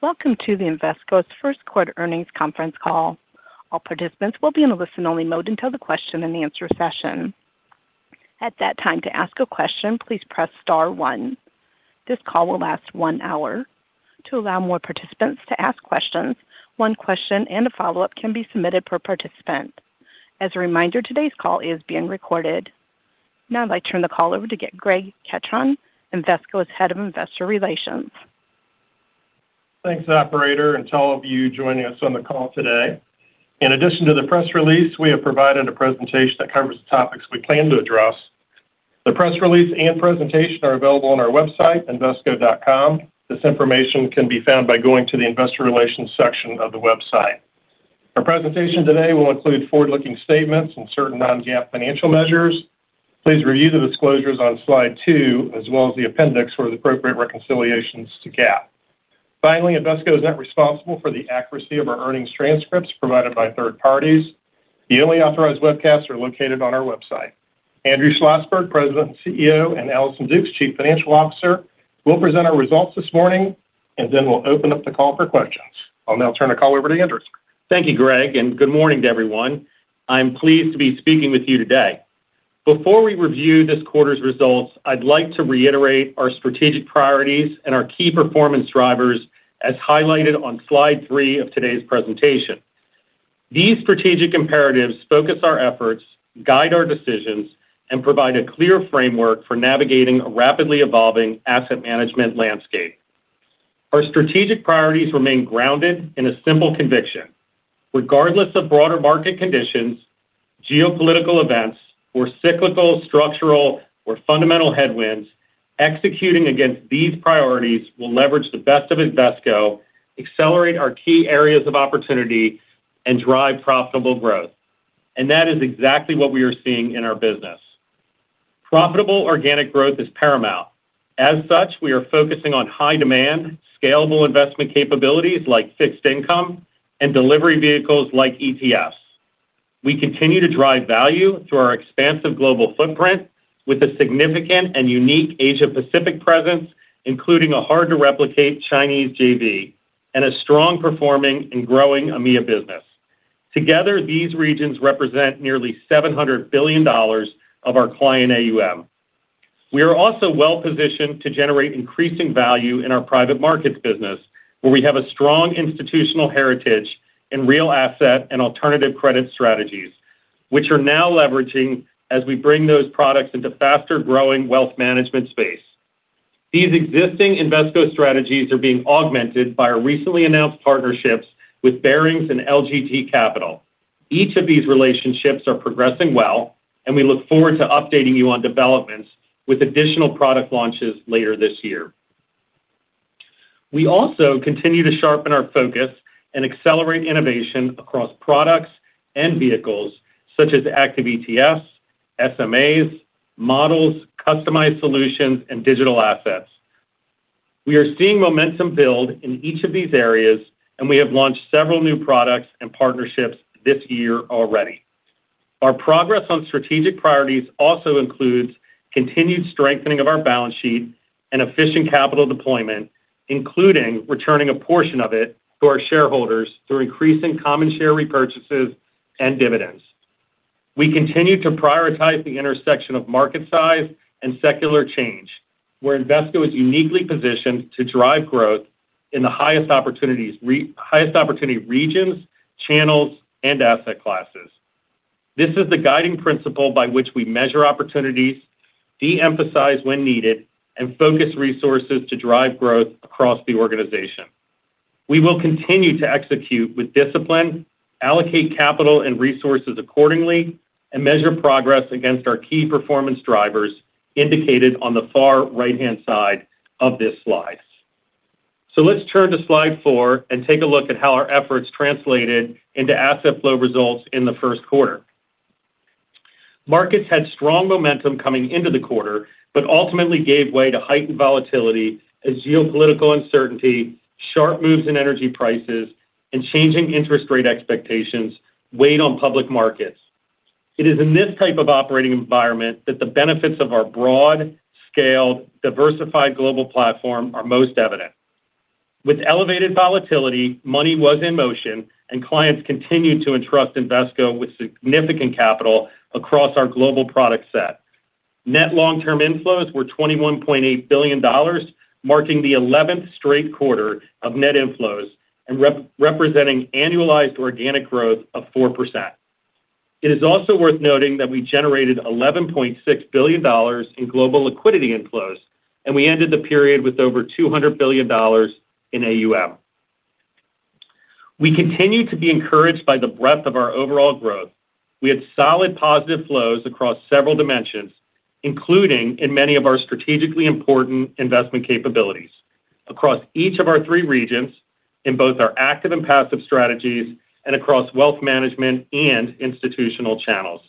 Welcome to Invesco's first quarter earnings conference call. All participants will be in a listen-only mode until the question-and-answer session. At that time, to ask a question, please press star one. This call will last one hour. To allow more participants to ask questions, one question and a follow-up can be submitted per participant. As a reminder, today's call is being recorded. Now I'd like to turn the call over to Greg Ketron, Invesco's Head of Investor Relations. Thanks, operator, and to all of you joining us on the call today. In addition to the press release, we have provided a presentation that covers the topics we plan to address. The press release and presentation are available on our website, invesco.com. This information can be found by going to the Investor Relations section of the website. Our presentation today will include forward-looking statements and certain non-GAAP financial measures. Please review the disclosures on slide two as well as the appendix for the appropriate reconciliations to GAAP. Finally, Invesco is not responsible for the accuracy of our earnings transcripts provided by third parties. The only authorized webcasts are located on our website. Andrew Schlossberg, President and CEO, and Allison Dukes, Chief Financial Officer, will present our results this morning, and then we'll open up the call for questions. I'll now turn the call over to Andrew. Thank you, Greg, and good morning to everyone. I'm pleased to be speaking with you today. Before we review this quarter's results, I'd like to reiterate our strategic priorities and our key performance drivers as highlighted on slide three of today's presentation. These strategic imperatives focus our efforts, guide our decisions, and provide a clear framework for navigating a rapidly evolving asset management landscape. Our strategic priorities remain grounded in a simple conviction. Regardless of broader market conditions, geopolitical events, or cyclical, structural, or fundamental headwinds, executing against these priorities will leverage the best of Invesco, accelerate our key areas of opportunity, and drive profitable growth. That is exactly what we are seeing in our business. Profitable organic growth is paramount. As such, we are focusing on high-demand, scalable investment capabilities like fixed income and delivery vehicles like ETFs. We continue to drive value through our expansive global footprint with a significant and unique Asia-Pacific presence, including a hard-to-replicate Chinese JV and a strong performing and growing AMEA business. Together, these regions represent nearly $700 billion of our client AUM. We are also well-positioned to generate increasing value in our private markets business, where we have a strong institutional heritage in real asset and alternative credit strategies, which are now leveraging as we bring those products into faster-growing wealth management space. These existing Invesco strategies are being augmented by our recently announced partnerships with Barings and LGT Capital. Each of these relationships are progressing well, and we look forward to updating you on developments with additional product launches later this year. We also continue to sharpen our focus and accelerate innovation across products and vehicles such as active ETFs, SMAs, models, customized solutions, and digital assets. We are seeing momentum build in each of these areas, and we have launched several new products and partnerships this year already. Our progress on strategic priorities also includes continued strengthening of our balance sheet and efficient capital deployment, including returning a portion of it to our shareholders through increasing common share repurchases and dividends. We continue to prioritize the intersection of market size and secular change, where Invesco is uniquely positioned to drive growth in the highest opportunity regions, channels, and asset classes. This is the guiding principle by which we measure opportunities, de-emphasize when needed, and focus resources to drive growth across the organization. We will continue to execute with discipline, allocate capital and resources accordingly, and measure progress against our key performance drivers indicated on the far right-hand side of this slide. Let's turn to slide four and take a look at how our efforts translated into asset flow results in the first quarter. Markets had strong momentum coming into the quarter, but ultimately gave way to heightened volatility as geopolitical uncertainty, sharp moves in energy prices, and changing interest rate expectations weighed on public markets. It is in this type of operating environment that the benefits of our broad-scale, diversified global platform are most evident. With elevated volatility, money was in motion, and clients continued to entrust Invesco with significant capital across our global product set. Net long-term inflows were $21.8 billion, marking the eleventh straight quarter of net inflows and representing annualized organic growth of 4%. It is also worth noting that we generated $11.6 billion in global liquidity inflows. We ended the period with over $200 billion in AUM. We continue to be encouraged by the breadth of our overall growth. We had solid positive flows across several dimensions, including in many of our strategically important investment capabilities across each of our three regions in both our active and passive strategies and across wealth management and institutional channels.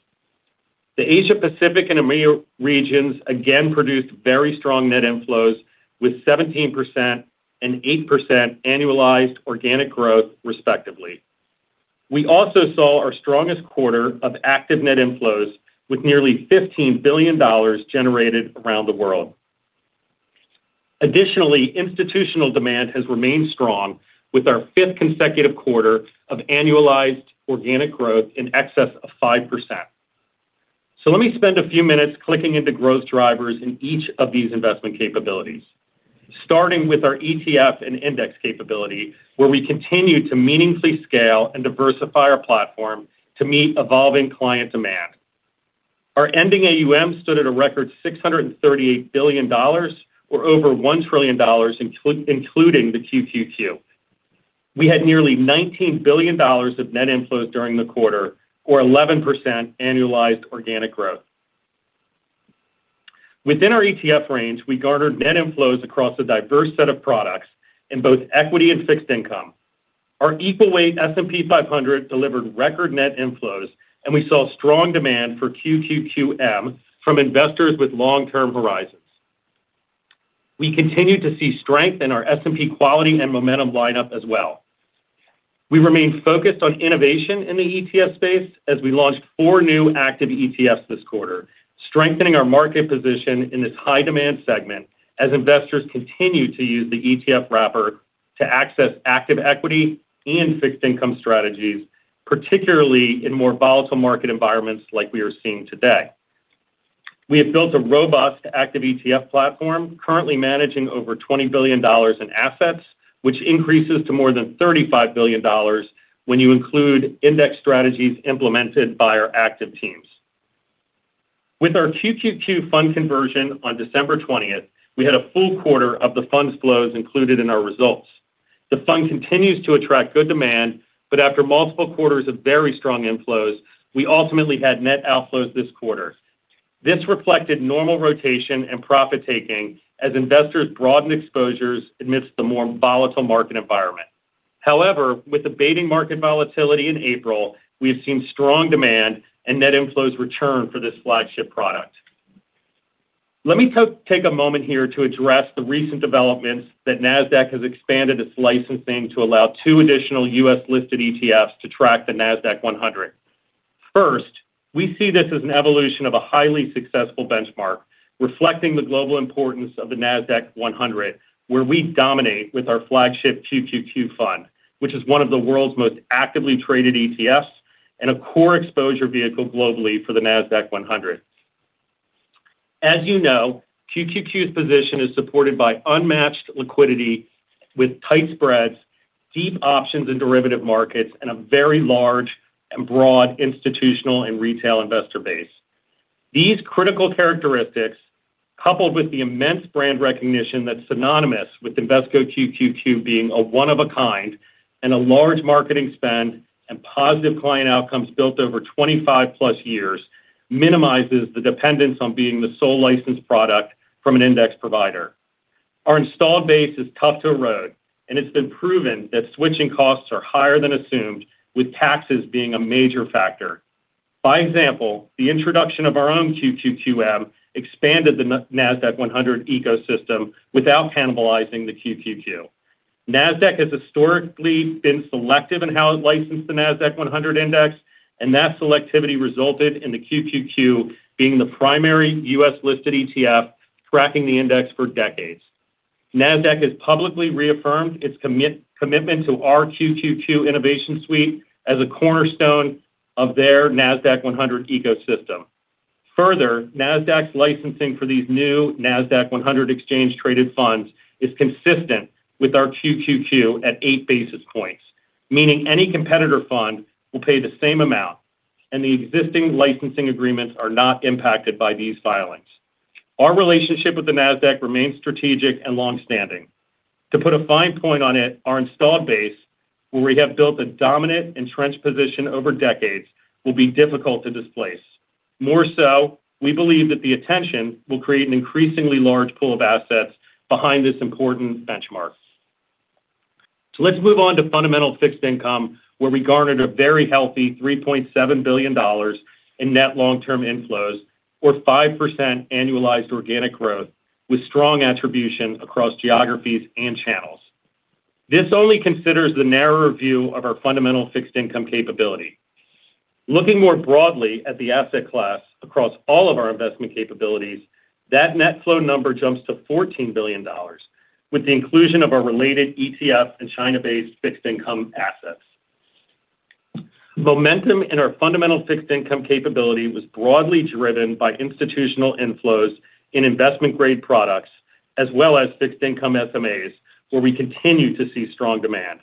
The Asia-Pacific and EMEA regions again produced very strong net inflows with 17% and 8% annualized organic growth, respectively. We also saw our strongest quarter of active net inflows with nearly $15 billion generated around the world. Additionally, institutional demand has remained strong with our fifth consecutive quarter of annualized organic growth in excess of 5%. Let me spend a few minutes clicking into growth drivers in each of these investment capabilities. Starting with our ETF and index capability, where we continue to meaningfully scale and diversify our platform to meet evolving client demand. Our ending AUM stood at a record $638 billion, or over $1 trillion including the QQQ. We had nearly $19 billion of net inflows during the quarter, or 11% annualized organic growth. Within our ETF range, we garnered net inflows across a diverse set of products in both equity and fixed income. Our equal weight S&P 500 delivered record net inflows, and we saw strong demand for QQQM from investors with long-term horizons. We continue to see strength in our S&P quality and momentum lineup as well. We remain focused on innovation in the ETF space as we launched four new active ETFs this quarter, strengthening our market position in this high-demand segment as investors continue to use the ETF wrapper to access active equity and fixed income strategies, particularly in more volatile market environments like we are seeing today. We have built a robust active ETF platform currently managing over $20 billion in assets, which increases to more than $35 billion when you include index strategies implemented by our active teams. With our QQQ fund conversion on December 20th, we had a full quarter of the fund's flows included in our results. The fund continues to attract good demand, but after multiple quarters of very strong inflows, we ultimately had net outflows this quarter. This reflected normal rotation and profit-taking as investors broadened exposures amidst the more volatile market environment. With abating market volatility in April, we have seen strong demand and net inflows return for this flagship product. Let me take a moment here to address the recent developments that Nasdaq has expanded its licensing to allow two additional U.S.-listed ETFs to track the Nasdaq-100. first, we see this as an evolution of a highly successful benchmark reflecting the global importance of the Nasdaq-100, where we dominate with our flagship QQQ fund, which is one of the world's most actively traded ETFs and a core exposure vehicle globally for the Nasdaq-100. You know, QQQ's position is supported by unmatched liquidity with tight spreads, deep options and derivative markets, and a very large and broad institutional and retail investor base. These critical characteristics, coupled with the immense brand recognition that's synonymous with Invesco QQQ being a one-of-a-kind and a large marketing spend and positive client outcomes built over 25+ years, minimizes the dependence on being the sole licensed product from an index provider. Our installed base is tough to erode, and it's been proven that switching costs are higher than assumed, with taxes being a major factor. By example, the introduction of our own QQQM expanded the Nasdaq-100 ecosystem without cannibalizing the QQQ. Nasdaq has historically been selective in how it licensed the Nasdaq-100 index, and that selectivity resulted in the QQQ being the primary U.S.-listed ETF tracking the index for decades. Nasdaq has publicly reaffirmed its commitment to our QQQ innovation suite as a cornerstone of their Nasdaq-100 ecosystem. Further, Nasdaq's licensing for these new Nasdaq-100 exchange-traded funds is consistent with our QQQ at 8 basis points, meaning any competitor fund will pay the same amount, and the existing licensing agreements are not impacted by these filings. Our relationship with the Nasdaq remains strategic and long-standing. To put a fine point on it, our installed base, where we have built a dominant entrenched position over decades, will be difficult to displace. More so, we believe that the attention will create an increasingly large pool of assets behind this important benchmark. Let's move on to fundamental fixed income, where we garnered a very healthy $3.7 billion in net long-term inflows, or 5% annualized organic growth, with strong attribution across geographies and channels. This only considers the narrower view of our fundamental fixed income capability. Looking more broadly at the asset class across all of our investment capabilities, that net flow number jumps to $14 billion, with the inclusion of our related ETF and China-based fixed income assets. Momentum in our fundamental fixed income capability was broadly driven by institutional inflows in investment-grade products, as well as fixed income SMAs, where we continue to see strong demand.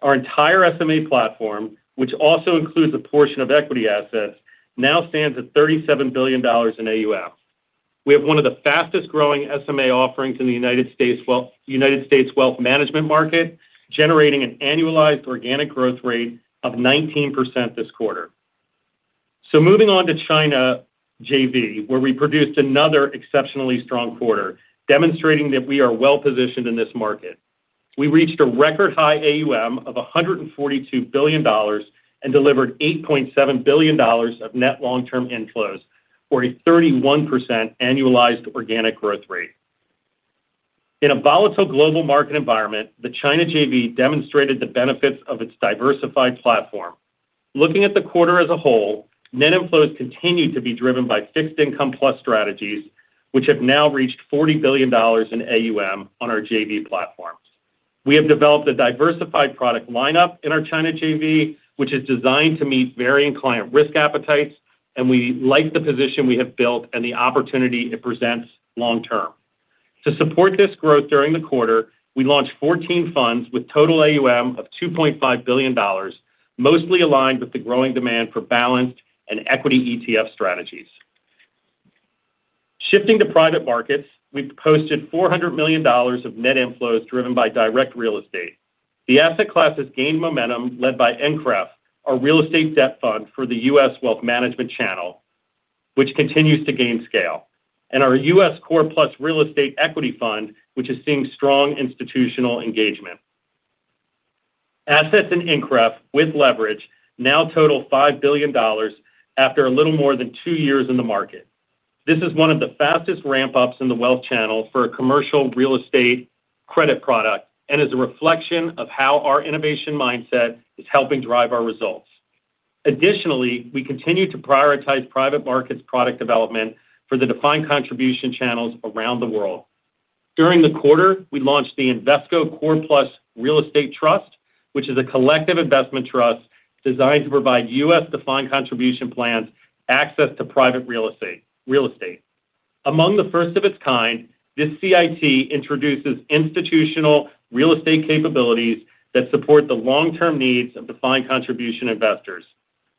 Our entire SMA platform, which also includes a portion of equity assets, now stands at $37 billion in AUM. We have one of the fastest-growing SMA offerings in the United States wealth management market, generating an annualized organic growth rate of 19% this quarter. Moving on to China JV, where we produced another exceptionally strong quarter, demonstrating that we are well-positioned in this market. We reached a record high AUM of $142 billion and delivered $8.7 billion of net long-term inflows, or a 31% annualized organic growth rate. In a volatile global market environment, the China JV demonstrated the benefits of its diversified platform. Looking at the quarter as a whole, net inflows continued to be driven by fixed income plus strategies, which have now reached $40 billion in AUM on our JV platforms. We have developed a diversified product lineup in our China JV, which is designed to meet varying client risk appetites, and we like the position we have built and the opportunity it presents long term. To support this growth during the quarter, we launched 14 funds with total AUM of $2.5 billion, mostly aligned with the growing demand for balanced and equity ETF strategies. Shifting to private markets, we've posted $400 million of net inflows driven by direct real estate. The asset class has gained momentum led by iINCREF, our real estate debt fund for the U.S. wealth management channel, which continues to gain scale. Our U.S. Core Plus Real Estate Equity Fund, which is seeing strong institutional engagement. Assets in iINCREF with leverage now total $5 billion after a little more than two years in the market. This is one of the fastest ramp-ups in the wealth channel for a commercial real estate credit product and is a reflection of how our innovation mindset is helping drive our results. Additionally, we continue to prioritize private markets product development for the defined contribution channels around the world. During the quarter, we launched the Invesco Core Plus Real Estate Trust, which is a collective investment trust designed to provide U.S.-defined contribution plans access to private real estate. Among the first of its kind, this CIT introduces institutional real estate capabilities that support the long-term needs of defined contribution investors.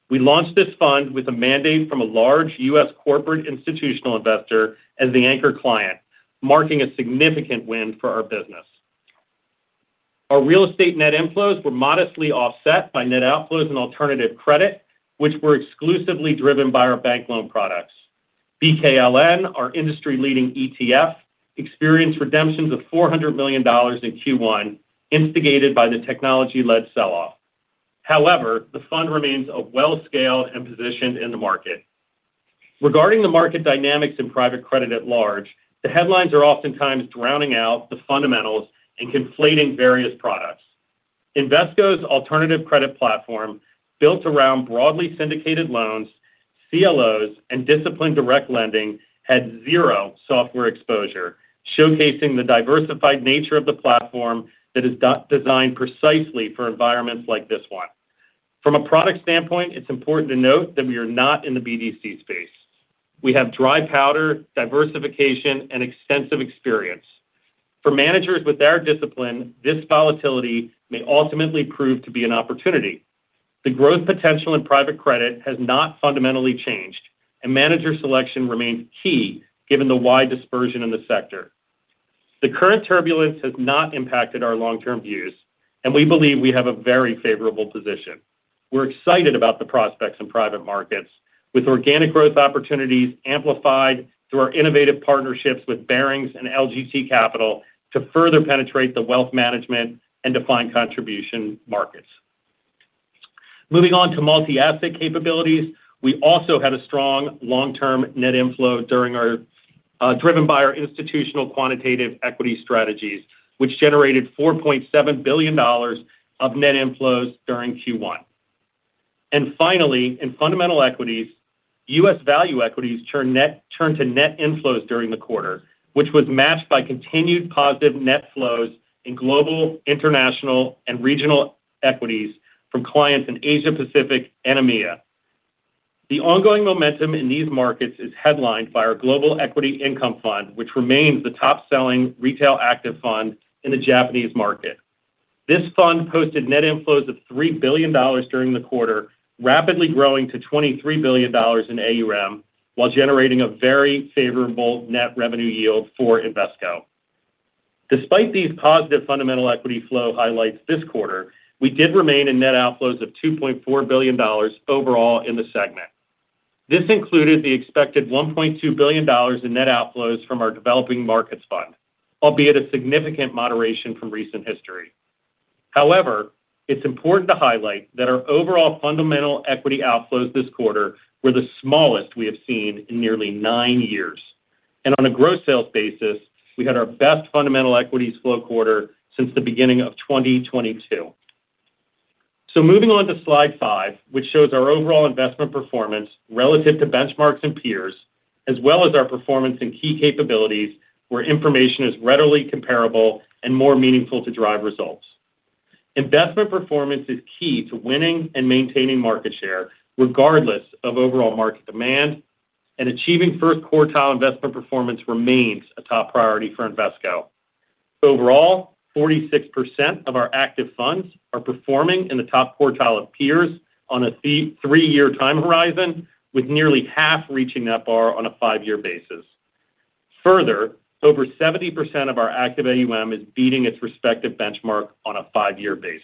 We launched this fund with a mandate from a large U.S. corporate institutional investor as the anchor client, marking a significant win for our business. Our real estate net inflows were modestly offset by net outflows and alternative credit, which were exclusively driven by our bank loan products. BKLN, our industry-leading ETF, experienced redemptions of $400 million in Q1, instigated by the technology-led sell-off. However, the fund remains a well-scaled and positioned in the market. Regarding the market dynamics in private credit at large, the headlines are oftentimes drowning out the fundamentals and conflating various products. Invesco's alternative credit platform, built around broadly syndicated loans, CLOs, and disciplined direct lending, had zero software exposure, showcasing the diversified nature of the platform that is designed precisely for environments like this one. From a product standpoint, it's important to note that we are not in the BDC space. We have dry powder, diversification, and extensive experience. For managers with our discipline, this volatility may ultimately prove to be an opportunity. The growth potential in private credit has not fundamentally changed, and manager selection remains key given the wide dispersion in the sector. The current turbulence has not impacted our long-term views, and we believe we have a very favorable position. We're excited about the prospects in private markets with organic growth opportunities amplified through our innovative partnerships with Barings and LGT Capital Partners to further penetrate the wealth management and defined contribution markets. Moving on to multi-asset capabilities. We also had a strong long-term net inflow driven by our institutional quantitative equity strategies, which generated $4.7 billion of net inflows during Q1. Finally, in fundamental equities, U.S. value equities turned to net inflows during the quarter, which was matched by continued positive net flows in global, international, and regional equities from clients in Asia Pacific and EMEA. The ongoing momentum in these markets is headlined by our Global Equity Income Fund, which remains the top-selling retail active fund in the Japanese market. This fund posted net inflows of $3 billion during the quarter, rapidly growing to $23 billion in AUM, while generating a very favorable net revenue yield for Invesco. Despite these positive fundamental equity flow highlights this quarter, we did remain in net outflows of $2.4 billion overall in the segment. This included the expected $1.2 billion in net outflows from our developing markets fund, albeit a significant moderation from recent history. It's important to highlight that our overall fundamental equity outflows this quarter were the smallest we have seen in nearly nine years. On a gross sales basis, we had our best fundamental equities flow quarter since the beginning of 2022. Moving on to slide five, which shows our overall investment performance relative to benchmarks and peers, as well as our performance in key capabilities where information is readily comparable and more meaningful to drive results. Investment performance is key to winning and maintaining market share regardless of overall market demand. Achieving first quartile investment performance remains a top priority for Invesco. Overall, 46% of our active funds are performing in the top quartile of peers on a three-year time horizon, with nearly half reaching that bar on a five-year basis. Over 70% of our active AUM is beating its respective benchmark on a five-year basis.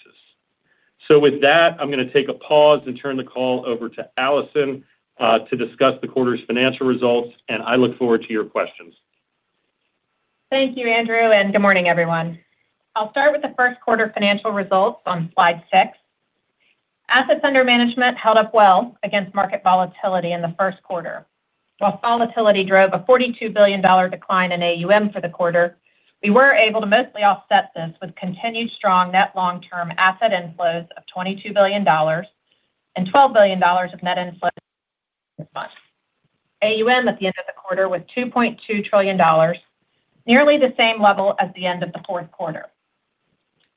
With that, I'm gonna take a pause and turn the call over to Allison to discuss the quarter's financial results, and I look forward to your questions. Thank you, Andrew, and good morning, everyone. I'll start with the first quarter financial results on slide six. Assets under management held up well against market volatility in the first quarter. While volatility drove a $42 billion decline in AUM for the quarter, we were able to mostly offset this with continued strong net long-term asset inflows of $22 billion and $12 billion of net inflows. AUM at the end of the quarter was $2.2 trillion, nearly the same level as the end of the fourth quarter.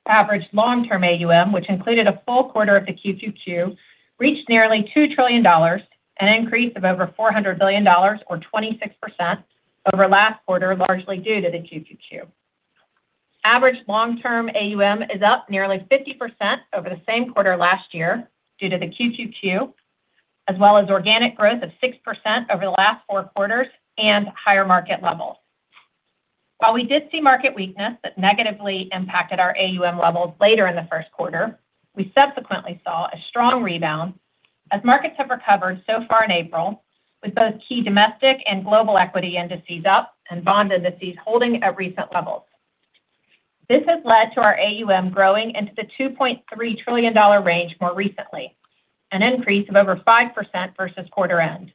Average long-term AUM, which included a full quarter of the QQQ, reached nearly $2 trillion, an increase of over $400 billion or 26% over last quarter, largely due to the QQQ. Average long-term AUM is up nearly 50% over the same quarter last year due to the QQQ, as well as organic growth of 6% over the last four quarters and higher market levels. While we did see market weakness that negatively impacted our AUM levels later in the first quarter, we subsequently saw a strong rebound as markets have recovered so far in April, with both key domestic and global equity indices up and bond indices holding at recent levels. This has led to our AUM growing into the $2.3 trillion range more recently, an increase of over 5% versus quarter end,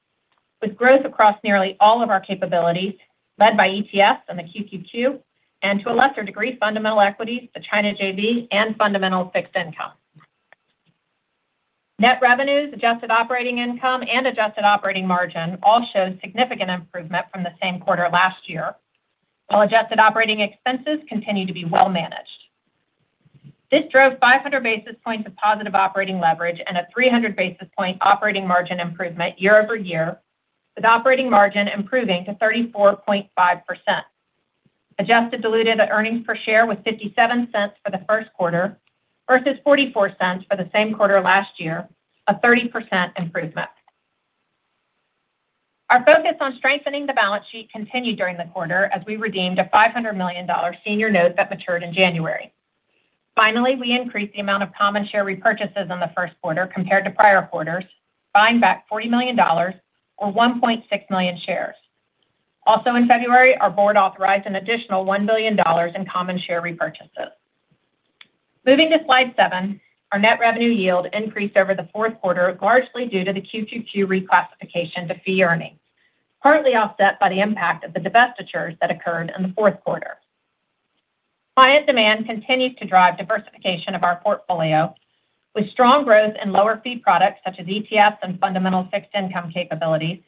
with growth across nearly all of our capabilities led by ETFs and the QQQ, and to a lesser degree, fundamental equities, the China JV and fundamental fixed income. Net revenues, adjusted operating income and adjusted operating margin all showed significant improvement from the same quarter last year, while adjusted operating expenses continue to be well managed. This drove 500 basis points of positive operating leverage and a 300 basis point operating margin improvement year-over-year, with operating margin improving to 34.5%. Adjusted diluted earnings per share was $0.57 for the first quarter versus $0.44 for the same quarter last year, a 30% improvement. Our focus on strengthening the balance sheet continued during the quarter as we redeemed a $500 million senior note that matured in January. We increased the amount of common share repurchases in the 1st quarter compared to prior quarters, buying back $40 million or 1.6 million shares. Also in February, our board authorized an additional $1 billion in common share repurchases. Moving to slide seven, our net revenue yield increased over the fourth quarter, largely due to the QQQ reclassification to fee earnings, partly offset by the impact of the divestitures that occurred in the fourth quarter. Client demand continues to drive diversification of our portfolio with strong growth in lower fee products such as ETFs and fundamental fixed income capabilities.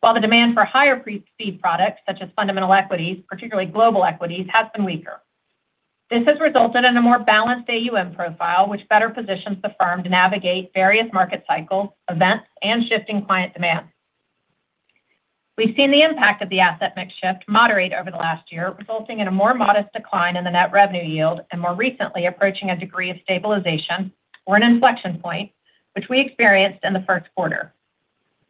While the demand for higher fee products such as fundamental equities, particularly global equities, has been weaker. This has resulted in a more balanced AUM profile which better positions the firm to navigate various market cycles, events, and shifting client demand. We've seen the impact of the asset mix shift moderate over the last year, resulting in a more modest decline in the net revenue yield and more recently approaching a degree of stabilization or an inflection point which we experienced in the first quarter.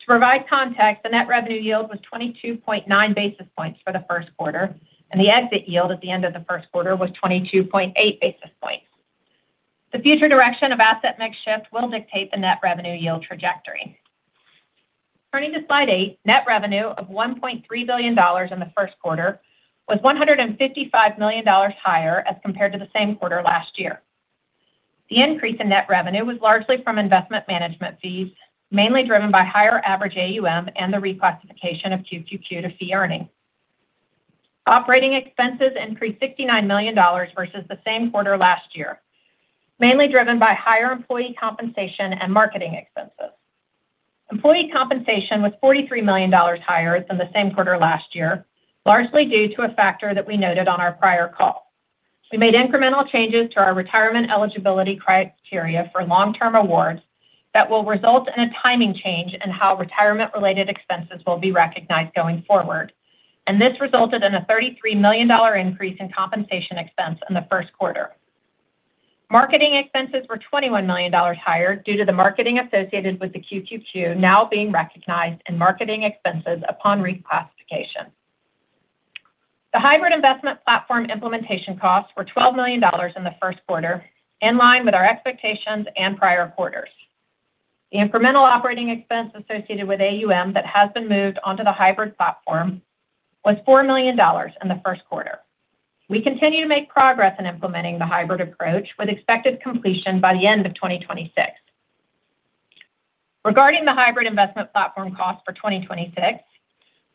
To provide context, the net revenue yield was 22.9 basis points for the first quarter, and the exit yield at the end of the first quarter was 22.8 basis points. The future direction of asset mix shift will dictate the net revenue yield trajectory. Turning to slide eight, net revenue of $1.3 billion in the first quarter was $155 million higher as compared to the same quarter last year. The increase in net revenue was largely from investment management fees, mainly driven by higher average AUM and the reclassification of QQQ to fee earning. Operating expenses increased $69 million versus the same quarter last year, mainly driven by higher employee compensation and marketing expenses. Employee compensation was $43 million higher than the same quarter last year, largely due to a factor that we noted on our prior call. We made incremental changes to our retirement eligibility criteria for long-term awards that will result in a timing change in how retirement-related expenses will be recognized going forward. This resulted in a $33 million increase in compensation expense in the first quarter. Marketing expenses were $21 million higher due to the marketing associated with the QQQ now being recognized in marketing expenses upon reclassification. The hybrid investment platform implementation costs were $12 million in the first quarter, in line with our expectations and prior quarters. The incremental operating expense associated with AUM that has been moved onto the hybrid platform was $4 million in the first quarter. We continue to make progress in implementing the hybrid approach with expected completion by the end of 2026. Regarding the hybrid investment platform cost for 2026,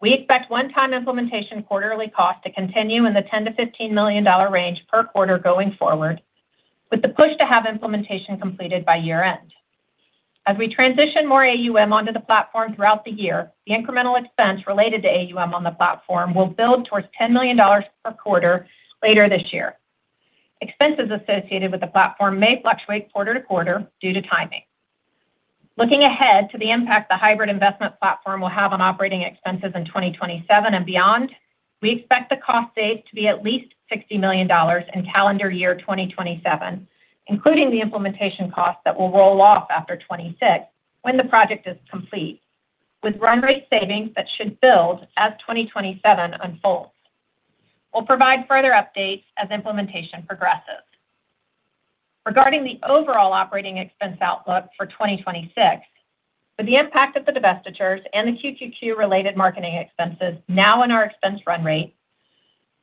we expect one-time implementation quarterly cost to continue in the $10 million-$15 million range per quarter going forward, with the push to have implementation completed by year-end. As we transition more AUM onto the platform throughout the year, the incremental expense related to AUM on the platform will build towards $10 million per quarter later this year. Expenses associated with the platform may fluctuate quarter-to-quarter due to timing. Looking ahead to the impact the hybrid investment platform will have on operating expenses in 2027 and beyond, we expect the cost base to be at least $60 million in calendar year 2027, including the implementation costs that will roll off after 2026 when the project is complete. With run rate savings that should build as 2027 unfolds. We'll provide further updates as implementation progresses. Regarding the overall operating expense outlook for 2026, with the impact of the divestitures and the QQQ related marketing expenses now in our expense run rate.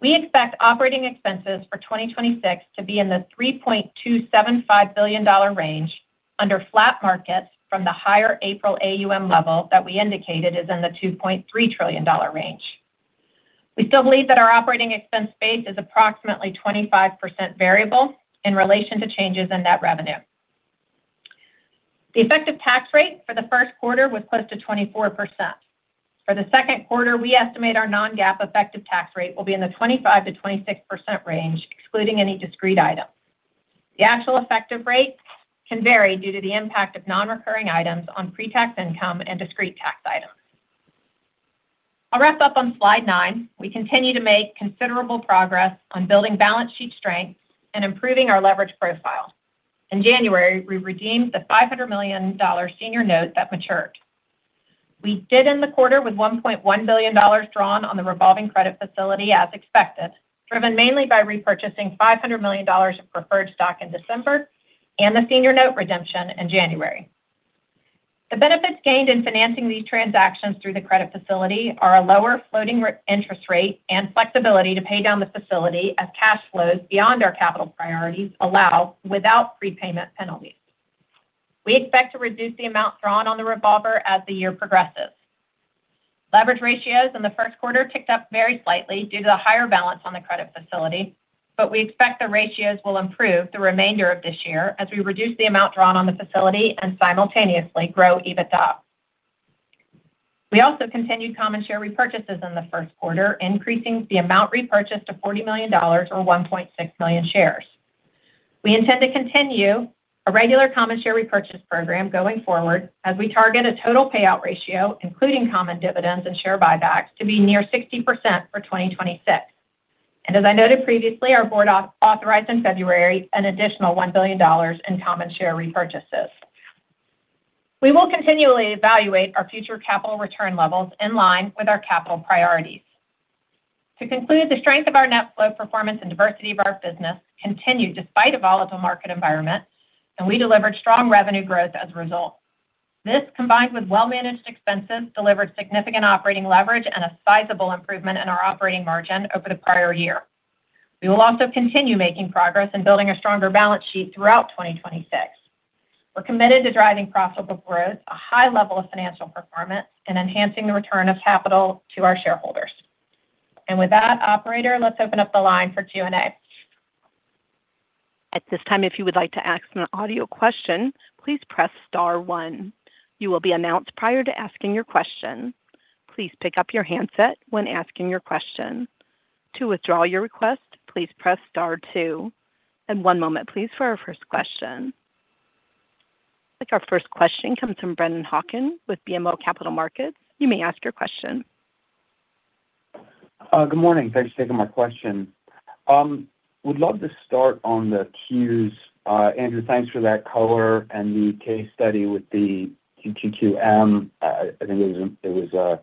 We expect operating expenses for 2026 to be in the $3.275 billion range under flat markets from the higher April AUM level that we indicated is in the $2.3 trillion range. We still believe that our operating expense base is approximately 25% variable in relation to changes in net revenue. The effective tax rate for the first quarter was close to 24%. For the second quarter, we estimate our non-GAAP effective tax rate will be in the 25%-26% range, excluding any discrete items. The actual effective rate can vary due to the impact of non-recurring items on pre-tax income and discrete tax items. I'll wrap up on slide nine. We continue to make considerable progress on building balance sheet strength and improving our leverage profile. In January, we redeemed the $500 million senior note that matured. We did in the quarter with $1.1 billion drawn on the revolving credit facility as expected, driven mainly by repurchasing $500 million of preferred stock in December and the senior note redemption in January. The benefits gained in financing these transactions through the credit facility are a lower floating interest rate and flexibility to pay down the facility as cash flows beyond our capital priorities allow without prepayment penalties. We expect to reduce the amount drawn on the revolver as the year progresses. Leverage ratios in the first quarter ticked up very slightly due to the higher balance on the credit facility. We expect the ratios will improve the remainder of this year as we reduce the amount drawn on the facility and simultaneously grow EBITDA. We also continued common share repurchases in the first quarter, increasing the amount repurchased to $40 million or 1.6 million shares. We intend to continue a regular common share repurchase program going forward as we target a total payout ratio, including common dividends and share buybacks, to be near 60% for 2026. As I noted previously, our board authorized in February an additional $1 billion in common share repurchases. We will continually evaluate our future capital return levels in line with our capital priorities. To conclude, the strength of our net flow performance and diversity of our business continued despite a volatile market environment, and we delivered strong revenue growth as a result. This, combined with well-managed expenses, delivered significant operating leverage and a sizable improvement in our operating margin over the prior year. We will also continue making progress in building a stronger balance sheet throughout 2026. We're committed to driving profitable growth, a high level of financial performance, and enhancing the return of capital to our shareholders. With that, operator, let's open up the line for Q&A. At this time if you would like to ask an audio question, please press star one. You will be announced prior to asking your question. Please pick up your handset when asking your question. To withdraw your question, please press star two. And one moment please for our first question. I think our first question comes from Brennan Hawken with BMO Capital Markets. You may ask your question. Good morning. Thanks for taking my question. Would love to start on the Qs. Andrew, thanks for that color and the case study with the QQQM. I think it was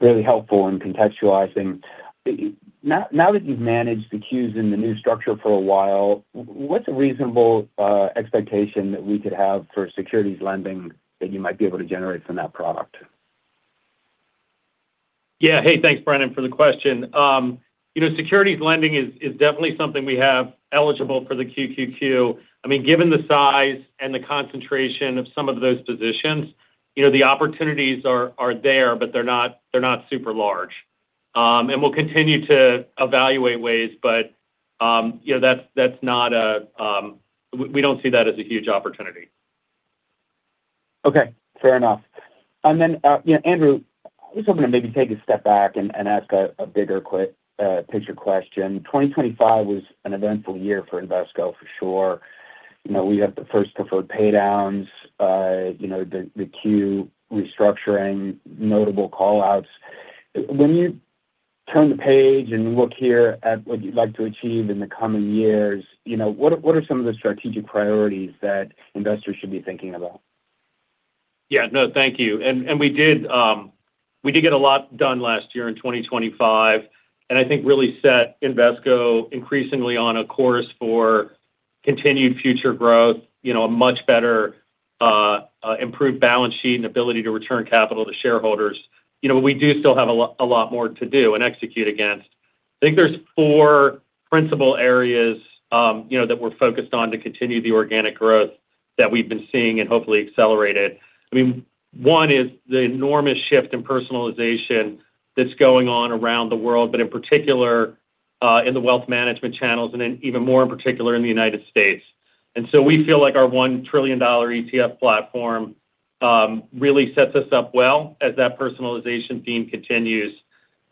really helpful in contextualizing. Now that you've managed the Qs in the new structure for a while, what's a reasonable expectation that we could have for securities lending that you might be able to generate from that product? Hey, thanks, Brennan, for the question. You know, securities lending is definitely something we have eligible for the QQQ. I mean, given the size and the concentration of some of those positions, you know, the opportunities are there, but they're not super large. We'll continue to evaluate ways, but we don't see that as a huge opportunity. Okay. Fair enough. You know, Andrew, I just wanted to maybe take a step back and ask a bigger picture question. 2025 was an eventful year for Invesco, for sure. You know, we had the first preferred paydowns, you know, the Q restructuring, notable call-outs. When you turn the page and look here at what you'd like to achieve in the coming years, you know, what are some of the strategic priorities that investors should be thinking about? No, thank you. We did get a lot done last year in 2025, and I think really set Invesco increasingly on a course for continued future growth. You know, a much better improved balance sheet and ability to return capital to shareholders. You know, we do still have a lot more to do and execute against. I think there's four principal areas, you know, that we're focused on to continue the organic growth that we've been seeing and hopefully accelerate it. I mean, one, is the enormous shift in personalization that's going on around the world, but in particular, in the wealth management channels and then even more in particular in the United States. We feel like our $1 trillion ETF platform really sets us up well as that personalization theme continues.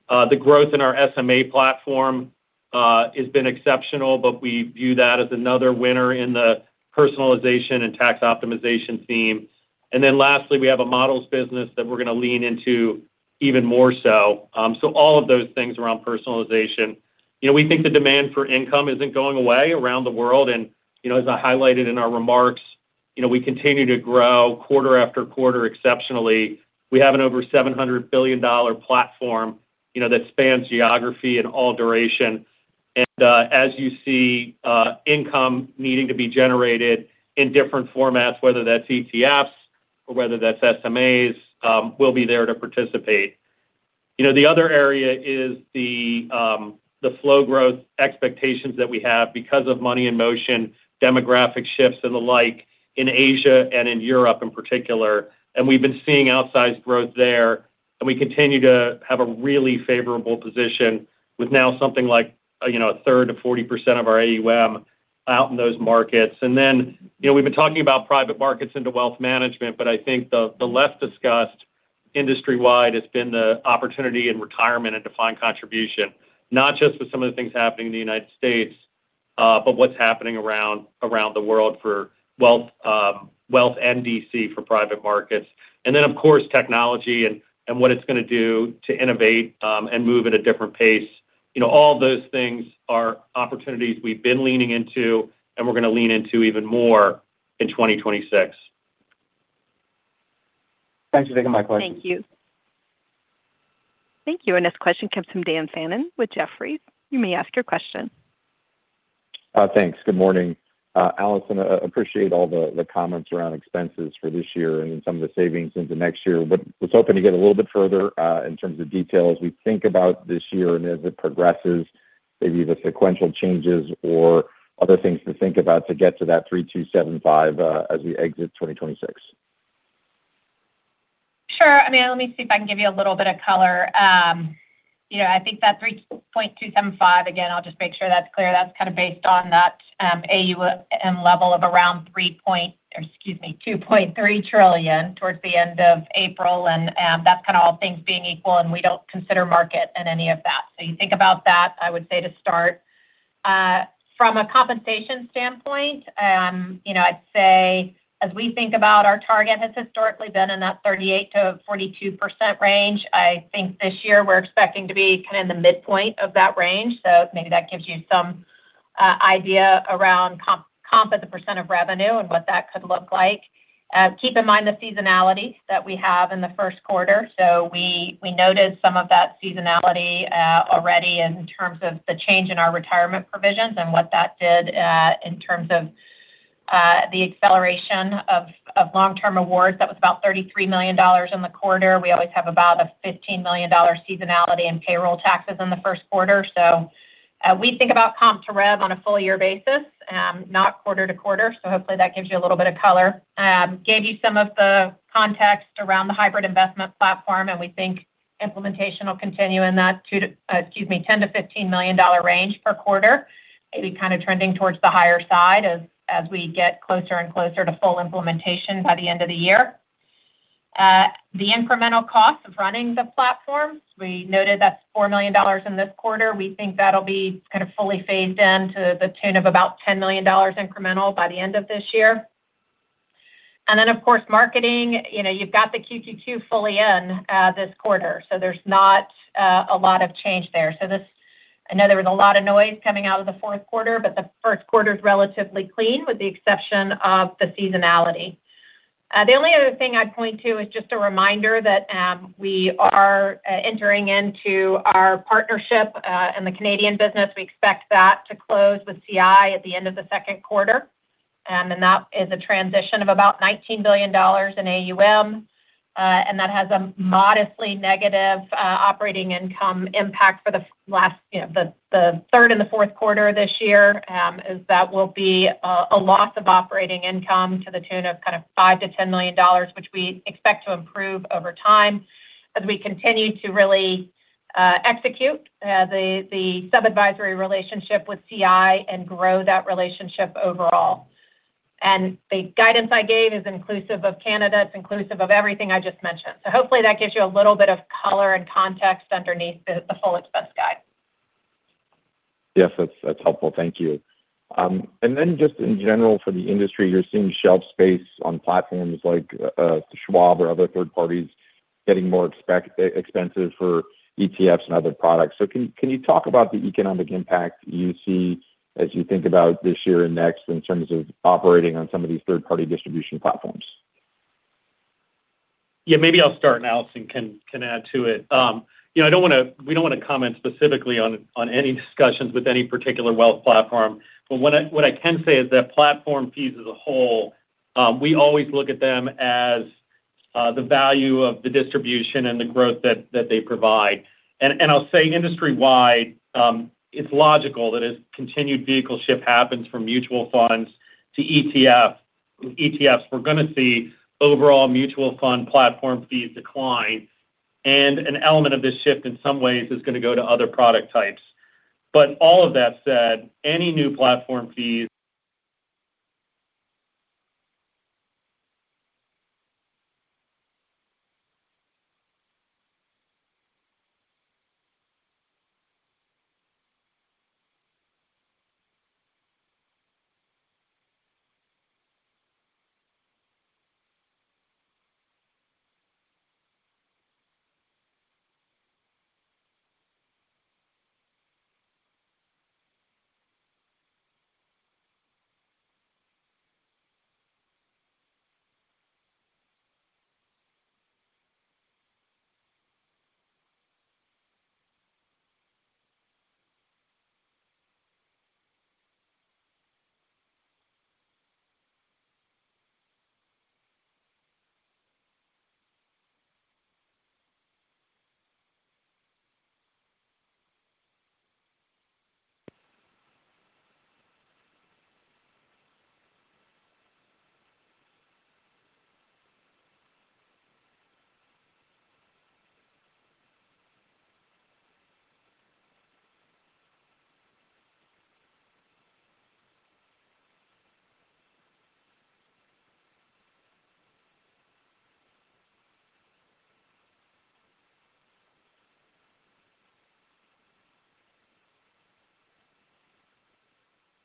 The growth in our SMA platform has been exceptional, but we view that as another winner in the personalization and tax optimization theme. Lastly, we have a models business that we're gonna lean into even more so. All of those things around personalization. You know, we think the demand for income isn't going away around the world and, you know, as I highlighted in our remarks, you know, we continue to grow quarter after quarter exceptionally. We have an over $700 billion platform, you know, that spans geography and all duration. As you see income needing to be generated in different formats, whether that's ETFs. Whether that's SMAs, we'll be there to participate. You know, the other area is the flow growth expectations that we have because of money in motion, demographic shifts, and the like in Asia and in Europe in particular. We've been seeing outsized growth there, and we continue to have a really favorable position with now something like, you know, a third to 40% of our AUM out in those markets. You know, we've been talking about private markets into wealth management, but I think the less discussed industry-wide has been the opportunity in retirement and defined contribution, not just with some of the things happening in the United States, but what's happening around the world for wealth and DC for private markets. Of course, technology and what it's gonna do to innovate, and move at a different pace. You know, all those things are opportunities we've been leaning into and we're gonna lean into even more in 2026. Thanks for taking my question. Thank you. Thank you. This question comes from Daniel Fannon with Jefferies. You may ask your question. Thanks. Good morning. Allison, appreciate all the comments around expenses for this year and some of the savings into next year. Was hoping to get a little bit further, in terms of details we think about this year and as it progresses, maybe the sequential changes or other things to think about to get to that $3,275, as we exit 2026. Sure. I mean, let me see if I can give you a little bit of color. You know, I think that 3.275, again, I'll just make sure that's clear. That's kind of based on that AUM level of around $2.3 trillion towards the end of April. That's kind of all things being equal, and we don't consider market in any of that. You think about that, I would say, to start. From a compensation standpoint, you know, I'd say as we think about our target has historically been in that 38%-42% range. I think this year we're expecting to be kind of in the midpoint of that range. Maybe that gives you some idea around comp as a % of revenue and what that could look like. Keep in mind the seasonality that we have in the first quarter. We noted some of that seasonality already in terms of the change in our retirement provisions and what that did in terms of the acceleration of long-term awards. That was about $33 million in the quarter. We always have about a $15 million seasonality in payroll taxes in the first quarter. We think about comp to rev on a full-year basis, not quarter-to-quarter. Hopefully that gives you a little bit of color. Gave you some of the context around the hybrid investment platform, we think implementation will continue in that $10 million-$15 million range per quarter. Maybe kind of trending towards the higher side as we get closer and closer to full implementation by the end of the year. The incremental cost of running the platform, we noted that's $4 million in this quarter. We think that'll be kind of fully phased in to the tune of about $10 million incremental by the end of this year. Then, of course marketing, you know, you've got the QQQ fully in this quarter, so there's not a lot of change there. I know there was a lot of noise coming out of the fourth quarter, but the first quarter's relatively clean, with the exception of the seasonality. The only other thing I'd point to is just a reminder that we are entering into our partnership in the Canadian business. We expect that to close with CI at the end of the second quarter. That is a transition of about $19 billion in AUM. That has a modestly negative operating income impact for the last, you know, the third and the fourth quarter this year. As that will be a loss of operating income to the tune of kind of $5 million-$10 million, which we expect to improve over time as we continue to really execute the sub-advisory relationship with CI and grow that relationship overall. The guidance I gave is inclusive of Canada. It's inclusive of everything I just mentioned. Hopefully that gives you a little bit of color and context underneath the full expense guide. Yes. That's helpful. Thank you. Just in general for the industry, you're seeing shelf space on platforms like Schwab or other third parties getting more expensive for ETFs and other products. Can you talk about the economic impact you see as you think about this year and next in terms of operating on some of these third-party distribution platforms? Yeah, maybe I'll start, and Allison can add to it. You know, we don't wanna comment specifically on any discussions with any particular wealth platform. What I can say is that platform fees as a whole, we always look at them as the value of the distribution and the growth that they provide. I'll say industry-wide, it's logical that as continued vehicle shift happens from mutual funds to ETFs, we're gonna see overall mutual fund platform fees decline. An element of this shift, in some ways, is gonna go to other product types. All of that said, any new platform fees.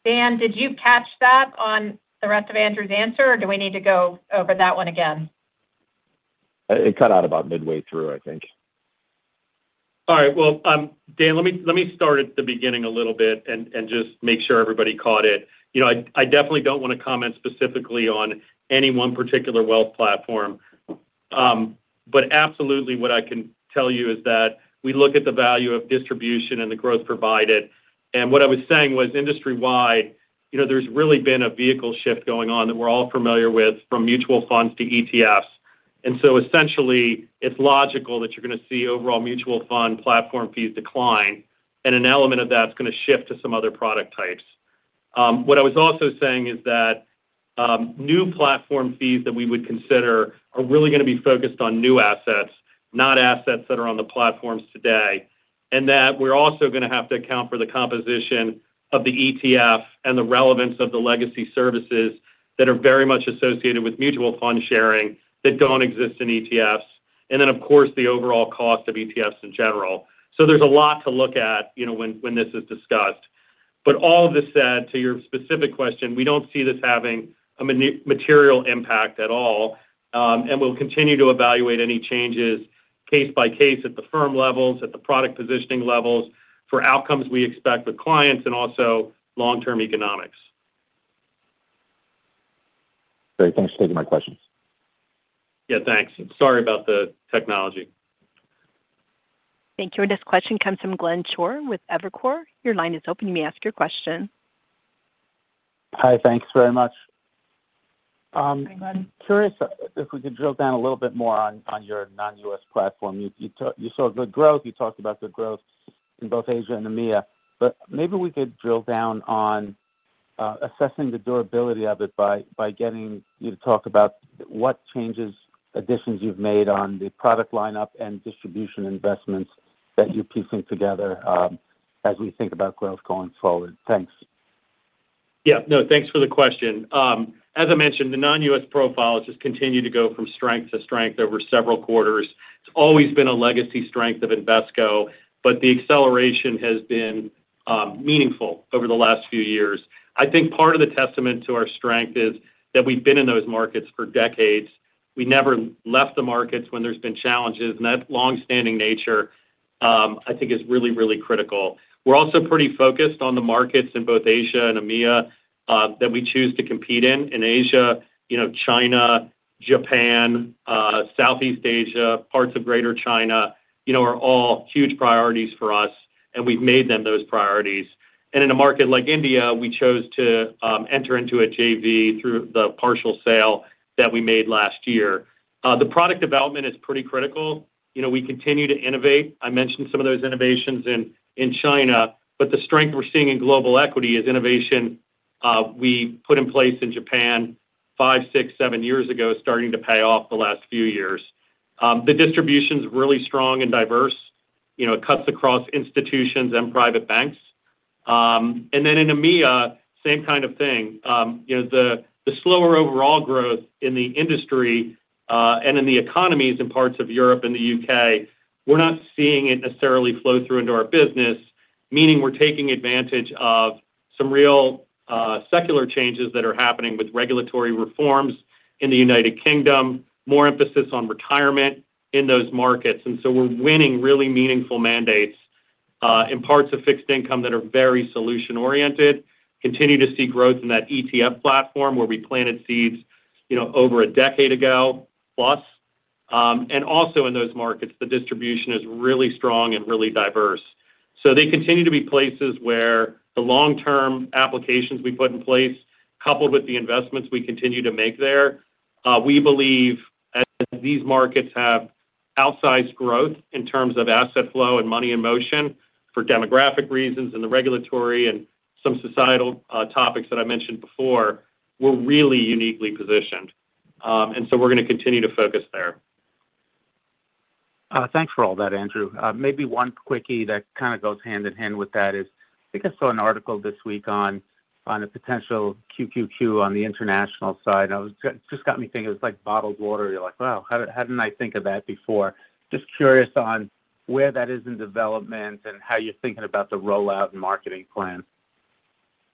Dan, did you catch that on the rest of Andrew's answer, or do we need to go over that one again? It cut out about midway through, I think. All right. Well, Dan, let me, let me start at the beginning a little bit just make sure everybody caught it. You know, I definitely don't wanna comment specifically on any one particular wealth platform. Absolutely what I can tell you is that we look at the value of distribution and the growth provided. What I was saying was industry-wide, you know, there's really been a vehicle shift going on that we're all familiar with from mutual funds to ETFs. Essentially, it's logical that you're gonna see overall mutual fund platform fees decline, and an element of that's gonna shift to some other product types. What I was also saying is that new platform fees that we would consider are really gonna be focused on new assets, not assets that are on the platforms today. That we're also gonna have to account for the composition of the ETF and the relevance of the legacy services that are very much associated with mutual fund sharing that don't exist in ETFs. Then, of course, the overall cost of ETFs in general. There's a lot to look at, you know, when this is discussed. All of this said, to your specific question, we don't see this having a material impact at all. We'll continue to evaluate any changes case by case at the firm levels, at the product positioning levels for outcomes we expect with clients and also long-term economics. Great. Thanks for taking my questions. Yeah, thanks. Sorry about the technology. Thank you. This question comes from Glenn Schorr with Evercore. Your line is open. You may ask your question. Hi. Thanks very much. Hi, Glenn. I'm curious if we could drill down a little bit more on your non-U.S. platform. You saw good growth. You talked about good growth in both Asia and EMEA. Maybe we could drill down on assessing the durability of it by getting you to talk about what changes, additions you've made on the product lineup and distribution investments that you're piecing together as we think about growth going forward. Thanks. Yeah. No, thanks for the question. As I mentioned, the non-U.S. profile has just continued to go from strength to strength over several quarters. It's always been a legacy strength of Invesco, but the acceleration has been meaningful over the last few years. I think part of the testament to our strength is that we've been in those markets for decades. We never left the markets when there's been challenges. That long-standing nature, I think is really, really critical. We're also pretty focused on the markets in both Asia and EMEA that we choose to compete in. In Asia, you know, China, Japan, Southeast Asia, parts of Greater China, you know, are all huge priorities for us, and we've made them those priorities. In a market like India, we chose to enter into a JV through the partial sale that we made last year. The product development is pretty critical. You know, we continue to innovate. I mentioned some of those innovations in China, but the strength we're seeing in global equity is innovation we put in place in Japan five, six, seven years ago, starting to pay off the last few years. The distribution's really strong and diverse. You know, it cuts across institutions and private banks. In EMEA, same kind of thing. You know, the slower overall growth in the industry, and in the economies in parts of Europe and the U.K., we're not seeing it necessarily flow through into our business, meaning we're taking advantage of some real, secular changes that are happening with regulatory reforms in the United Kingdom, more emphasis on retirement in those markets. We're winning really meaningful mandates, in parts of fixed income that are very solution-oriented, continue to see growth in that ETF platform where we planted seeds, you know, over a decade ago plus. Also in those markets, the distribution is really strong and really diverse. They continue to be places where the long-term applications we put in place, coupled with the investments we continue to make there, we believe as these markets have outsized growth in terms of asset flow and money in motion for demographic reasons, and the regulatory and some societal topics that I mentioned before, we're really uniquely positioned. We're gonna continue to focus there. Thanks for all that, Andrew. Maybe one quickie that kinda goes hand in hand with that is I think I saw an article this week on a potential QQQ on the international side, and it was. It just got me thinking. It was like bottled water. You're like, "Wow, how didn't I think of that before?" Just curious on where that is in development and how you're thinking about the rollout and marketing plan?